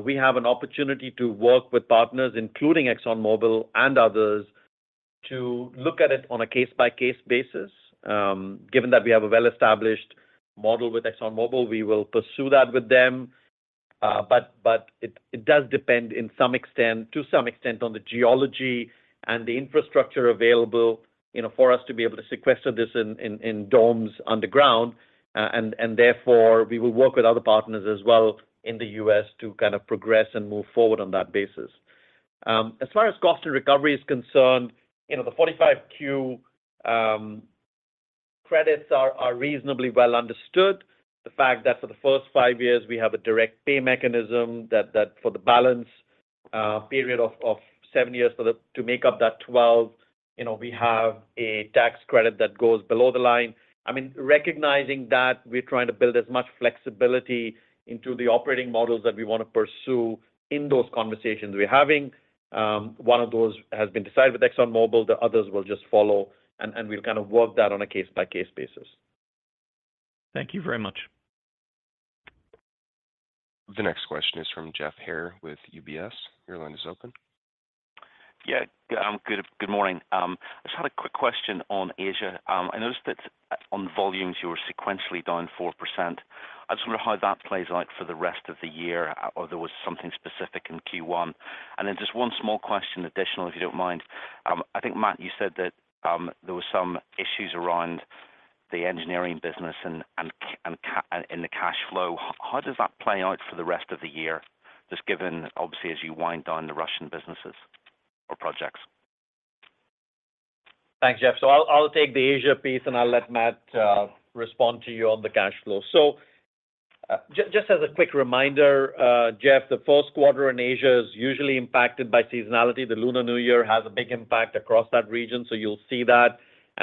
C: we have an opportunity to work with partners, including ExxonMobil and others, to look at it on a case-by-case basis. Given that we have a well-established model with ExxonMobil, we will pursue that with them. It does depend to some extent on the geology and the infrastructure available, you know, for us to be able to sequester this in domes underground. Therefore we will work with other partners as well in the U.S. to kind of progress and move forward on that basis. As far as cost and recovery is concerned, you know, the 45Q credits are reasonably well understood. The fact that for the first five years we have a direct pay mechanism that for the balance period of seven years to make up that 12, you know, we have a tax credit that goes below the line. I mean, recognizing that we're trying to build as much flexibility into the operating models that we want to pursue in those conversations we're having, one of those has been decided with ExxonMobil. The others will just follow and we'll kind of work that on a case-by-case basis.
P: Thank you very much.
A: The next question is from Geoff Haire with UBS. Your line is open.
Q: Yeah. Good, good morning. I just had a quick question on Asia. I noticed that on volumes you were sequentially down 4%. I just wonder how that plays out for the rest of the year or there was something specific in Q1? Then just one small question additional if you don't mind. I think Matt, you said that, there was some issues around the engineering business and the cash flow. How does that play out for the rest of the year, just given obviously as you wind down the Russian businesses or projects?
C: Thanks, Geoff. I'll take the Asia piece, and I'll let Matt respond to you on the cash flow. Just as a quick reminder, Geoff, the first quarter in Asia is usually impacted by seasonality. The Lunar New Year has a big impact across that region, so you'll see that.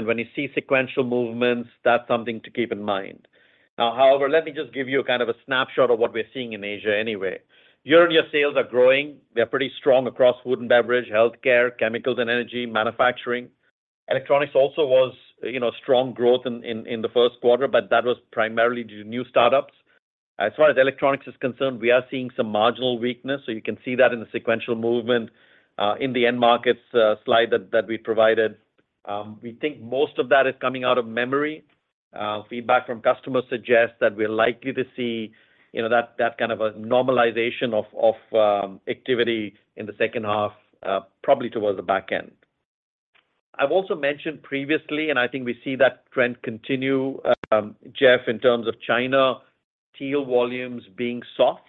C: When you see sequential movements, that's something to keep in mind. However, let me just give you kind of a snapshot of what we're seeing in Asia anyway. Year-on-year sales are growing. They're pretty strong across food and beverage, healthcare, chemicals and energy, manufacturing. Electronics also was, you know, strong growth in the first quarter, but that was primarily due to new startups. As far as electronics is concerned, we are seeing some marginal weakness. You can see that in the sequential movement in the end markets slide that we provided. We think most of that is coming out of memory. Feedback from customers suggests that we're likely to see, you know, that kind of a normalization of activity in the second half, probably towards the back end. I've also mentioned previously, and I think we see that trend continue, Geoff, in terms of China TEL volumes being soft.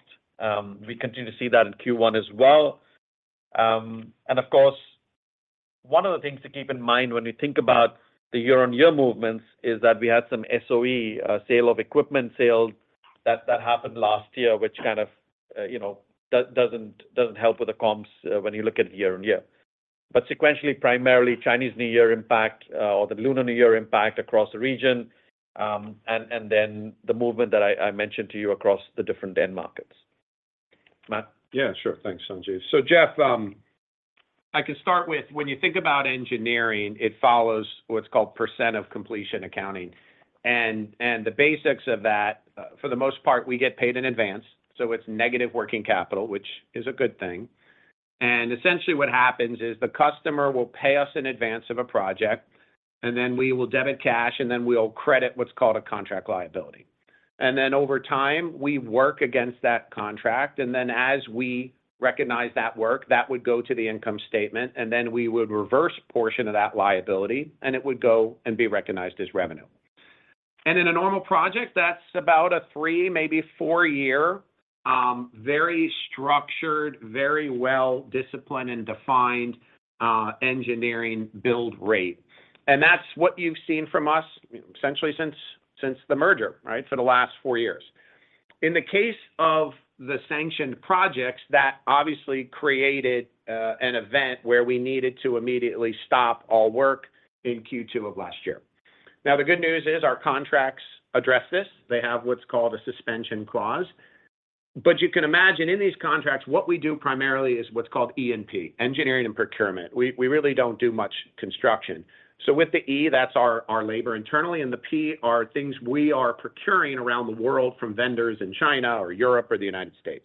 C: We continue to see that in Q1 as well. Of course, one of the things to keep in mind when we think about the year-on-year movements is that we had some SOE sale of equipment sales that happened last year, which kind of, you know, doesn't help with the comps when you look at year-on-year. Sequentially, primarily, Chinese New Year impact, or the Lunar New Year impact across the region, and then the movement that I mentioned to you across the different end markets. Matt?
D: Yeah, sure. Thanks, Sanjiv. Geoff, I can start with when you think about engineering, it follows what's called percent of completion accounting. The basics of that, for the most part, we get paid in advance, so it's negative working capital, which is a good thing. Essentially what happens is the customer will pay us in advance of a project, and then we will debit cash, and then we'll credit what's called a contract liability. Over time, we work against that contract, and then as we recognize that work, that would go to the income statement, and then we would reverse portion of that liability, and it would go and be recognized as revenue. In a normal project, that's about a three, maybe four-year, very structured, very well-disciplined and defined engineering build rate. That's what you've seen from us essentially since the merger, right? For the last four years. In the case of the sanctioned projects, that obviously created an event where we needed to immediately stop all work in Q2 of last year. The good news is our contracts address this. They have what's called a suspension clause. You can imagine in these contracts, what we do primarily is what's called E&P, engineering and procurement. We really don't do much construction. With the E, that's our labor internally, and the P are things we are procuring around the world from vendors in China or Europe or the United States.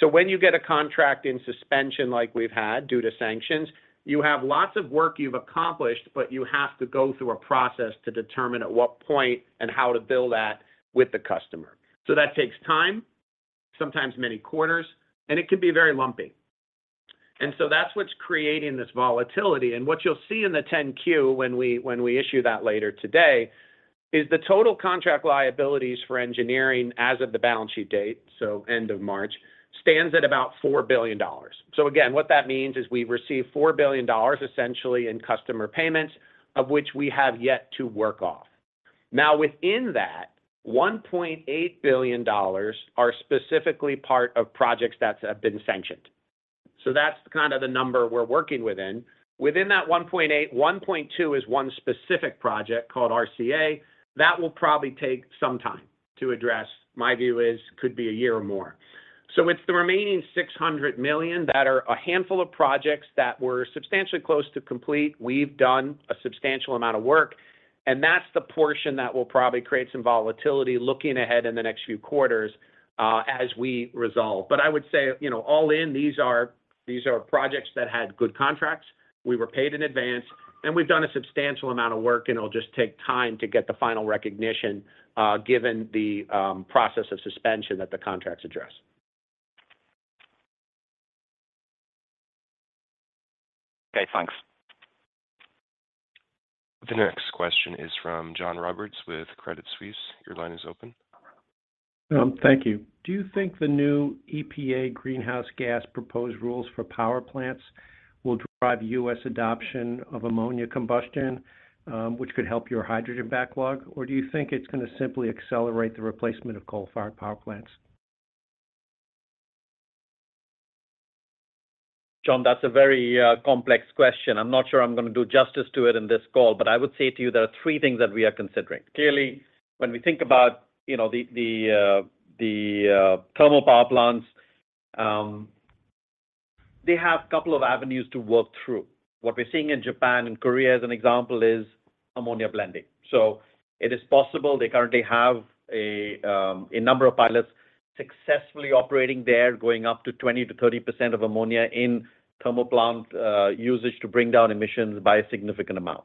D: When you get a contract in suspension like we've had due to sanctions, you have lots of work you've accomplished, but you have to go through a process to determine at what point and how to bill that with the customer. That takes time, sometimes many quarters, and it can be very lumpy. That's what's creating this volatility. What you'll see in the 10-Q when we issue that later today is the total contract liabilities for engineering as of the balance sheet date, so end of March, stands at about $4 billion. Again, what that means is we've received $4 billion essentially in customer payments of which we have yet to work off. Now within that, $1.8 billion are specifically part of projects that have been sanctioned. That's kind of the number we're working within. Within that $1.8, $1.2 is one specific project called RCA. That will probably take some time to address. My view is could be a year or more. It's the remaining $600 million that are a handful of projects that were substantially close to complete. We've done a substantial amount of work, and that's the portion that will probably create some volatility looking ahead in the next few quarters, as we resolve. I would say, you know, all in, these are, these are projects that had good contracts. We were paid in advance, and we've done a substantial amount of work, and it'll just take time to get the final recognition, given the process of suspension that the contracts address.
Q: Okay, thanks.
A: The next question is from John Roberts with Credit Suisse. Your line is open.
R: Thank you. Do you think the new EPA greenhouse gas proposed rules for power plants will drive U.S. adoption of ammonia combustion, which could help your hydrogen backlog? Do you think it's gonna simply accelerate the replacement of coal-fired power plants?
D: John, that's a very complex question. I'm not sure I'm gonna do justice to it in this call. I would say to you there are three things that we are considering. Clearly, when we think about, you know, the thermal power plants, they have couple of avenues to work through. What we're seeing in Japan and Korea, as an example, is ammonia blending. It is possible they currently have a number of pilots successfully operating there, going up to 20%-30% of ammonia in thermal plant usage to bring down emissions by a significant amount.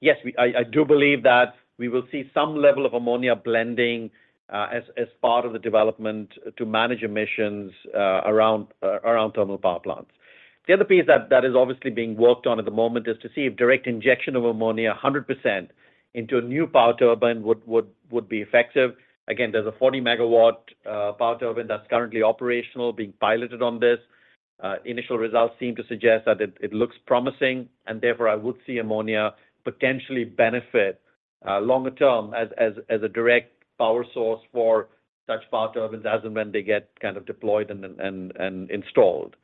D: Yes, I do believe that we will see some level of ammonia blending as part of the development to manage emissions around thermal power plants. The other piece that is obviously being worked on at the moment is to see if direct injection of ammonia 100% into a new power turbine would be effective. Again, there's a 40 MW power turbine that's currently operational being piloted on this. Initial results seem to suggest that it looks promising and therefore I would see ammonia potentially benefit longer term as a direct power source for such power turbines as and when they get kind of deployed and installed.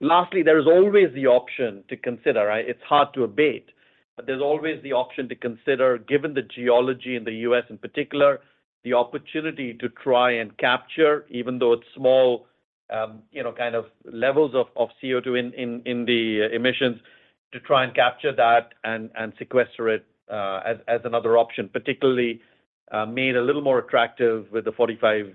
D: Lastly, there is always the option to consider, right? It's hard to abate, but there's always the option to consider, given the geology in the U.S. in particular, the opportunity to try and capture, even though it's small, you know, kind of levels of CO2 in, in the emissions to try and capture that and sequester it, as another option, particularly, made a little more attractive with the 45Q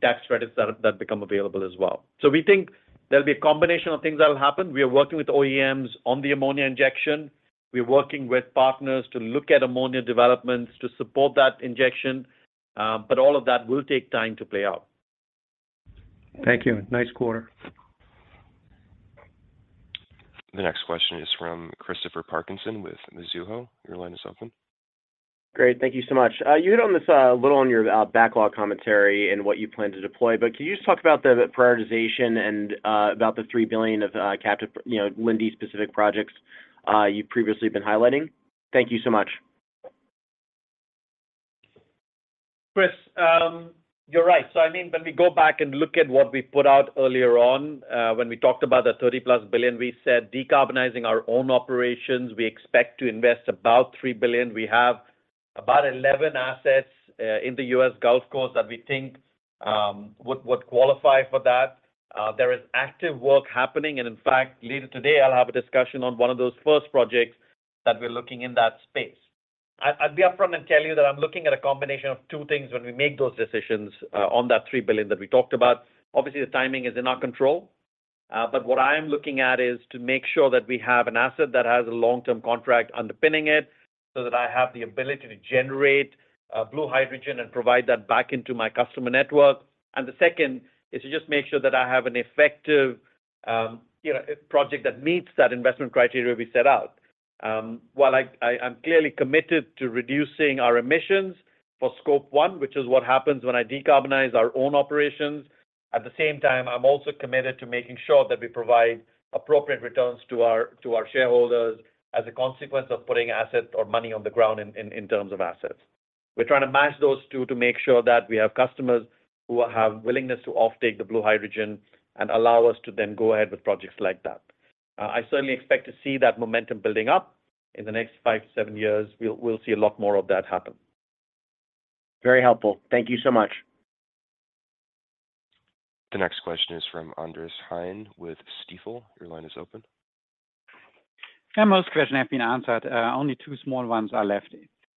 D: tax credits that become available as well. We think there'll be a combination of things that'll happen. We are working with OEMs on the ammonia injection. We're working with partners to look at ammonia developments to support that injection. All of that will take time to play out.
R: Thank you. Nice quarter.
A: The next question is from Christopher Parkinson with Mizuho. Your line is open.
S: Great. Thank you so much. You hit on this a little on your backlog commentary and what you plan to deploy, can you just talk about the prioritization and about the $3 billion of captive, you know, Linde-specific projects, you've previously been highlighting? Thank you so much.
C: Chris, you're right. I mean, when we go back and look at what we put out earlier on, when we talked about the $30+ billion, we said decarbonizing our own operations, we expect to invest about $3 billion. We have about 11 assets in the U.S. Gulf Coast that we think would qualify for that. There is active work happening. In fact, later today I'll have a discussion on one of those first projects that we're looking in that space. I'd be upfront and tell you that I'm looking at a combination of two things when we make those decisions on that $3 billion that we talked about. Obviously, the timing is in our control, but what I am looking at is to make sure that we have an asset that has a long-term contract underpinning it so that I have the ability to generate blue hydrogen and provide that back into my customer network. The second is to just make sure that I have an effective, you know, a project that meets that investment criteria we set out. While I'm clearly committed to reducing our emissions for Scope 1, which is what happens when I decarbonize our own operations, at the same time, I'm also committed to making sure that we provide appropriate returns to our shareholders as a consequence of putting assets or money on the ground in terms of assets. We're trying to match those two to make sure that we have customers who have willingness to offtake the blue hydrogen and allow us to then go ahead with projects like that. I certainly expect to see that momentum building up in the next five to seven years. We'll see a lot more of that happen.
S: Very helpful. Thank you so much.
A: The next question is from Andrew Hain with Stifel. Your line is open.
T: Yeah, most questions have been answered. Only two small ones are left.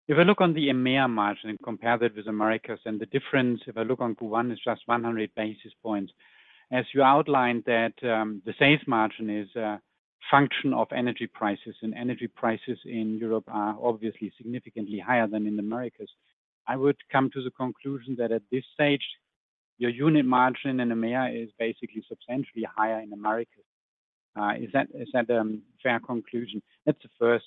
T: If I look on the EMEA margin and compare that with Americas and the difference, if I look on Group One, it's just 100 basis points. As you outlined that, the sales margin is a function of energy prices, and energy prices in Europe are obviously significantly higher than in Americas. I would come to the conclusion that at this stage, your unit margin in EMEA is basically substantially higher in Americas. Is that a fair conclusion? That's the first.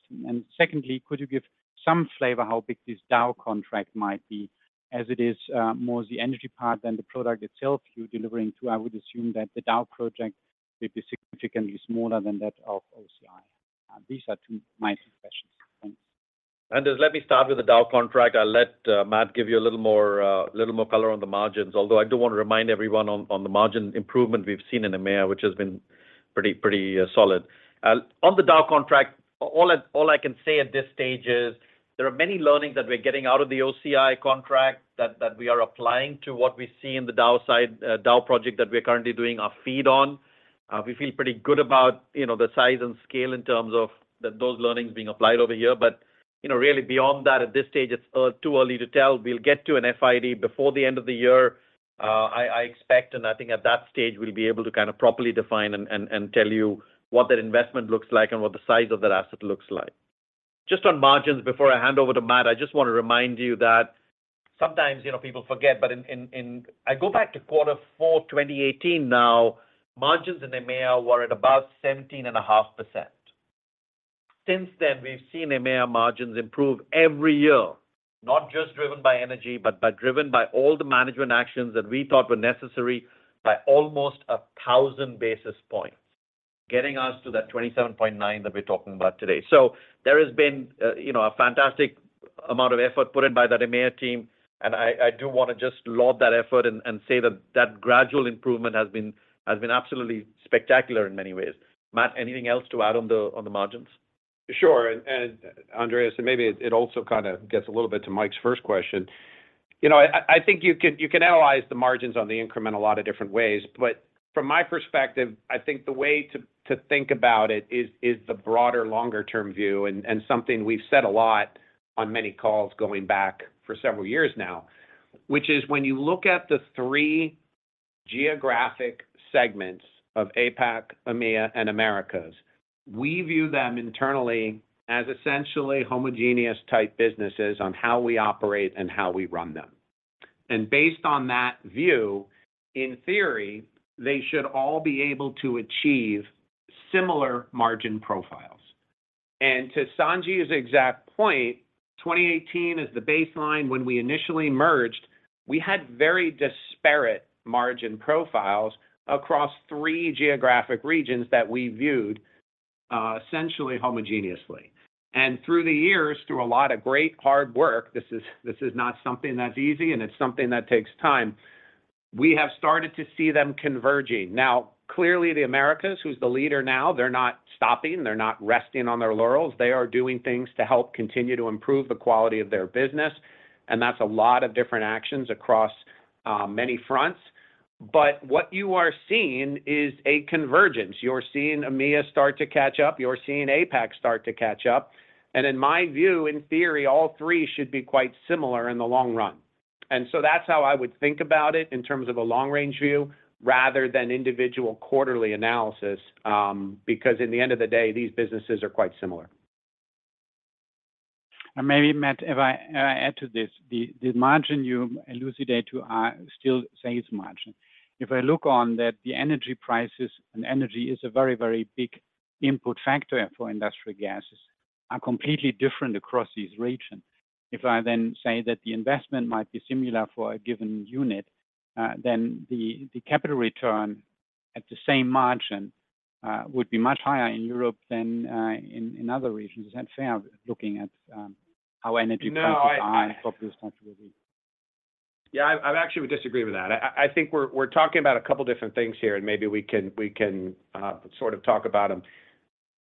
T: Secondly, could you give some flavor how big this Dow contract might be? As it is, more the energy part than the product itself you're delivering to, I would assume that the Dow project may be significantly smaller than that of OCI. These are two minor questions. Thanks.
C: Andrew, let me start with the Dow contract. I'll let Matt give you a little more color on the margins. I do want to remind everyone on the margin improvement we've seen in EMEA, which has been solid. On the Dow contract, all I can say at this stage is there are many learnings that we're getting out of the OCI contract that we are applying to what we see in the Dow project that we are currently doing our FEED on. We feel pretty good about, you know, the size and scale in terms of those learnings being applied over here. You know, really beyond that, at this stage, it's too early to tell. We'll get to an FID before the end of the year, I expect, and I think at that stage we'll be able to kind of properly define and tell you what that investment looks like and what the size of that asset looks like. Just on margins, before I hand over to Matt, I just want to remind you that sometimes, you know, people forget. I go back to Q4 2018 now, margins in EMEA were at about 17.5%. Since then, we've seen EMEA margins improve every year, not just driven by energy, driven by all the management actions that we thought were necessary by almost 1,000 basis points, getting us to that 27.9% that we're talking about today. There has been, you know, a fantastic amount of effort put in by that EMEA team, and I do wanna just laud that effort and say that that gradual improvement has been absolutely spectacular in many ways. Matt, anything else to add on the margins?
D: Sure. Andrew, and maybe it also kind of gets a little bit to Mike's first question. You know, I think you can analyze the margins on the increment a lot of different ways. From my perspective, I think the way to think about it is the broader longer-term view and something we've said a lot on many calls going back for several years now, which is when you look at the three geographic segments of APAC, EMEA, and Americas, we view them internally as essentially homogeneous type businesses on how we operate and how we run them. Based on that view, in theory, they should all be able to achieve similar margin profiles. To Sanjiv's exact point, 2018 is the baseline when we initially merged. We had very disparate margin profiles across three geographic regions that we viewed essentially homogeneously. Through the years, through a lot of great hard work, this is not something that's easy and it's something that takes time, we have started to see them converging. Now, clearly, the Americas, who's the leader now, they're not stopping, they're not resting on their laurels. They are doing things to help continue to improve the quality of their business, and that's a lot of different actions across many fronts. What you are seeing is a convergence. You're seeing EMEA start to catch up, you're seeing APAC start to catch up. In my view, in theory, all three should be quite similar in the long run. That's how I would think about it in terms of a long-range view rather than individual quarterly analysis, because in the end of the day, these businesses are quite similar.
T: Maybe, Matt, if I add to this, the margin you elucidate to are still sales margin. If I look on that the energy prices and energy is a very, very big input factor for industrial gases are completely different across these regions. If I then say that the investment might be similar for a given unit, then the capital return at the same margin would be much higher in Europe than in other regions. Is that fair looking at how energy prices are-
D: No.
T: For this activity?
D: I actually would disagree with that. I think we're talking about a couple different things here, and maybe we can sort of talk about them.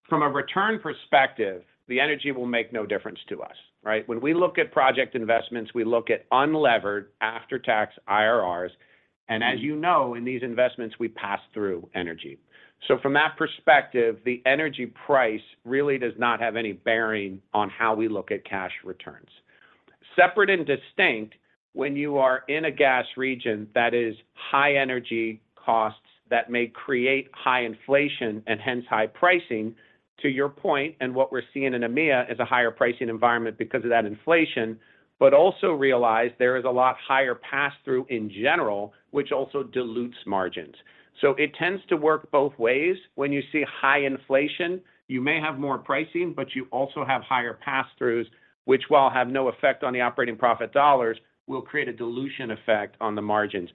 D: From a return perspective, the energy will make no difference to us, right? When we look at project investments, we look at unlevered after-tax IRRs. As you know, in these investments, we pass through energy. From that perspective, the energy price really does not have any bearing on how we look at cash returns. Separate and distinct, when you are in a gas region that is high energy costs that may create high inflation and hence high pricing, to your point, and what we're seeing in EMEA is a higher pricing environment because of that inflation, but also realize there is a lot higher pass-through in general, which also dilutes margins. It tends to work both ways. When you see high inflation, you may have more pricing, but you also have higher pass-throughs, which while have no effect on the operating profit $, will create a dilution effect on the margins.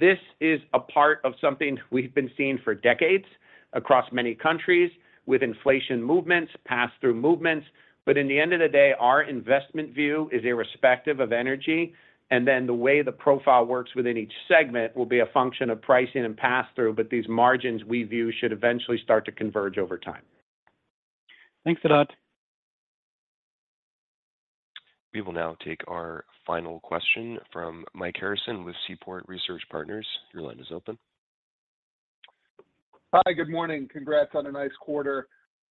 D: This is a part of something we've been seeing for decades across many countries with inflation movements, pass-through movements. In the end of the day, our investment view is irrespective of energy, and then the way the profile works within each segment will be a function of pricing and pass-through. These margins we view should eventually start to converge over time.
T: Thanks a lot.
A: We will now take our final question from Mike Harrison with Seaport Research Partners. Your line is open.
U: Hi, good morning. Congrats on a nice quarter.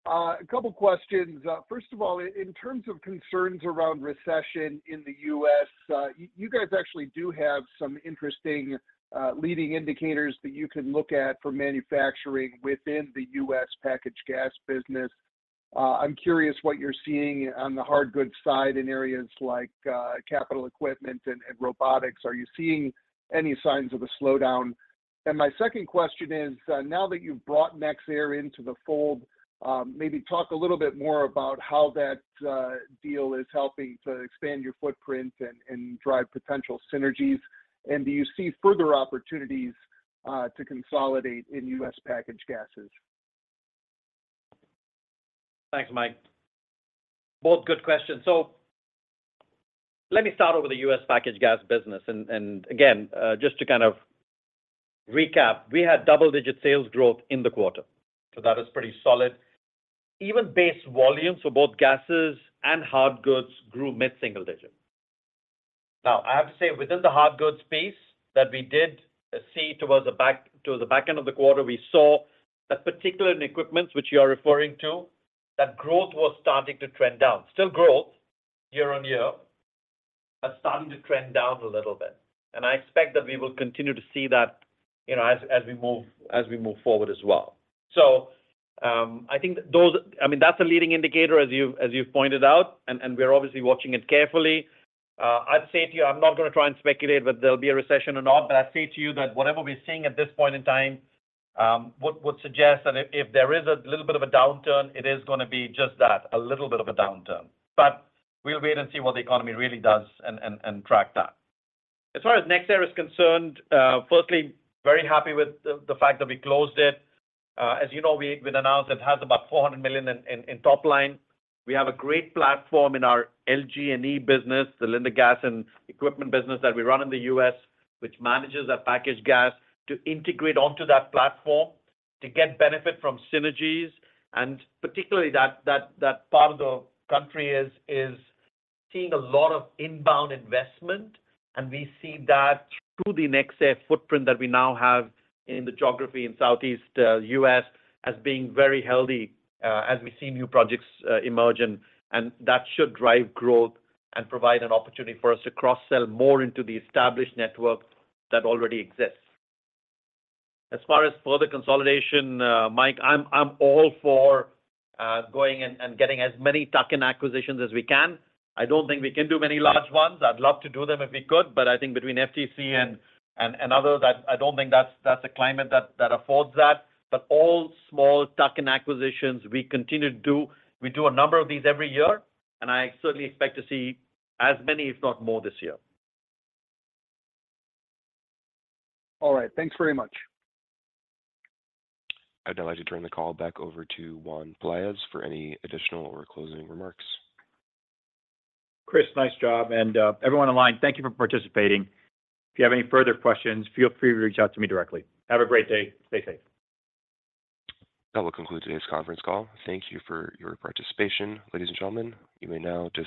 U: A couple questions. First of all, in terms of concerns around recession in the U.S., you guys actually do have some interesting leading indicators that you can look at for manufacturing within the U.S. packaged gas business. I'm curious what you're seeing on the hard goods side in areas like capital equipment and robotics. Are you seeing any signs of a slowdown? My second question is, now that you've brought nexAir into the fold, maybe talk a little bit more about how that deal is helping to expand your footprint and drive potential synergies. Do you see further opportunities to consolidate in U.S. packaged gases?
C: Thanks, Mike. Both good questions. Let me start with the U.S. packaged gas business. Again, just to kind of recap, we had double-digit sales growth in the quarter. That is pretty solid. Even base volumes for both gases and hard goods grew mid-single digit. Now, I have to say, within the hard goods space that we did see toward the back end of the quarter, we saw that particular equipment which you are referring to, that growth was starting to trend down. Still growth year-on-year, but starting to trend down a little bit. I expect that we will continue to see that, you know, as we move forward as well. I mean, that's a leading indicator, as you pointed out, and we're obviously watching it carefully. I'd say to you, I'm not gonna try and speculate whether there'll be a recession or not, but I say to you that whatever we're seeing at this point in time, would suggest that if there is a little bit of a downturn, it is gonna be just that, a little bit of a downturn. We'll wait and see what the economy really does and track that. As far as nexAir is concerned, firstly, very happy with the fact that we closed it. As you know, we'd announced it has about $400 million in top line. We have a great platform in our LG&E business, the Linde Gas & Equipment business that we run in the U.S., which manages that packaged gas to integrate onto that platform to get benefit from synergies. Particularly that part of the country is seeing a lot of inbound investment, and we see that through the nexAir footprint that we now have in the geography in southeast U.S. as being very healthy as we see new projects emerge. That should drive growth and provide an opportunity for us to cross-sell more into the established network that already exists. As far as further consolidation, Mike, I'm all for going and getting as many tuck-in acquisitions as we can. I don't think we can do many large ones. I'd love to do them if we could, but I think between FTC and others, I don't think that's a climate that affords that. All small tuck-in acquisitions, we continue to do. We do a number of these every year, and I certainly expect to see as many, if not more, this year.
U: All right. Thanks very much.
A: I'd now like to turn the call back over to Juan Pelaez for any additional or closing remarks.
B: Chris, nice job. Everyone online, thank you for participating. If you have any further questions, feel free to reach out to me directly. Have a great day. Stay safe.
A: That will conclude today's conference call. Thank you for your participation. Ladies and gentlemen, you may now disconnect.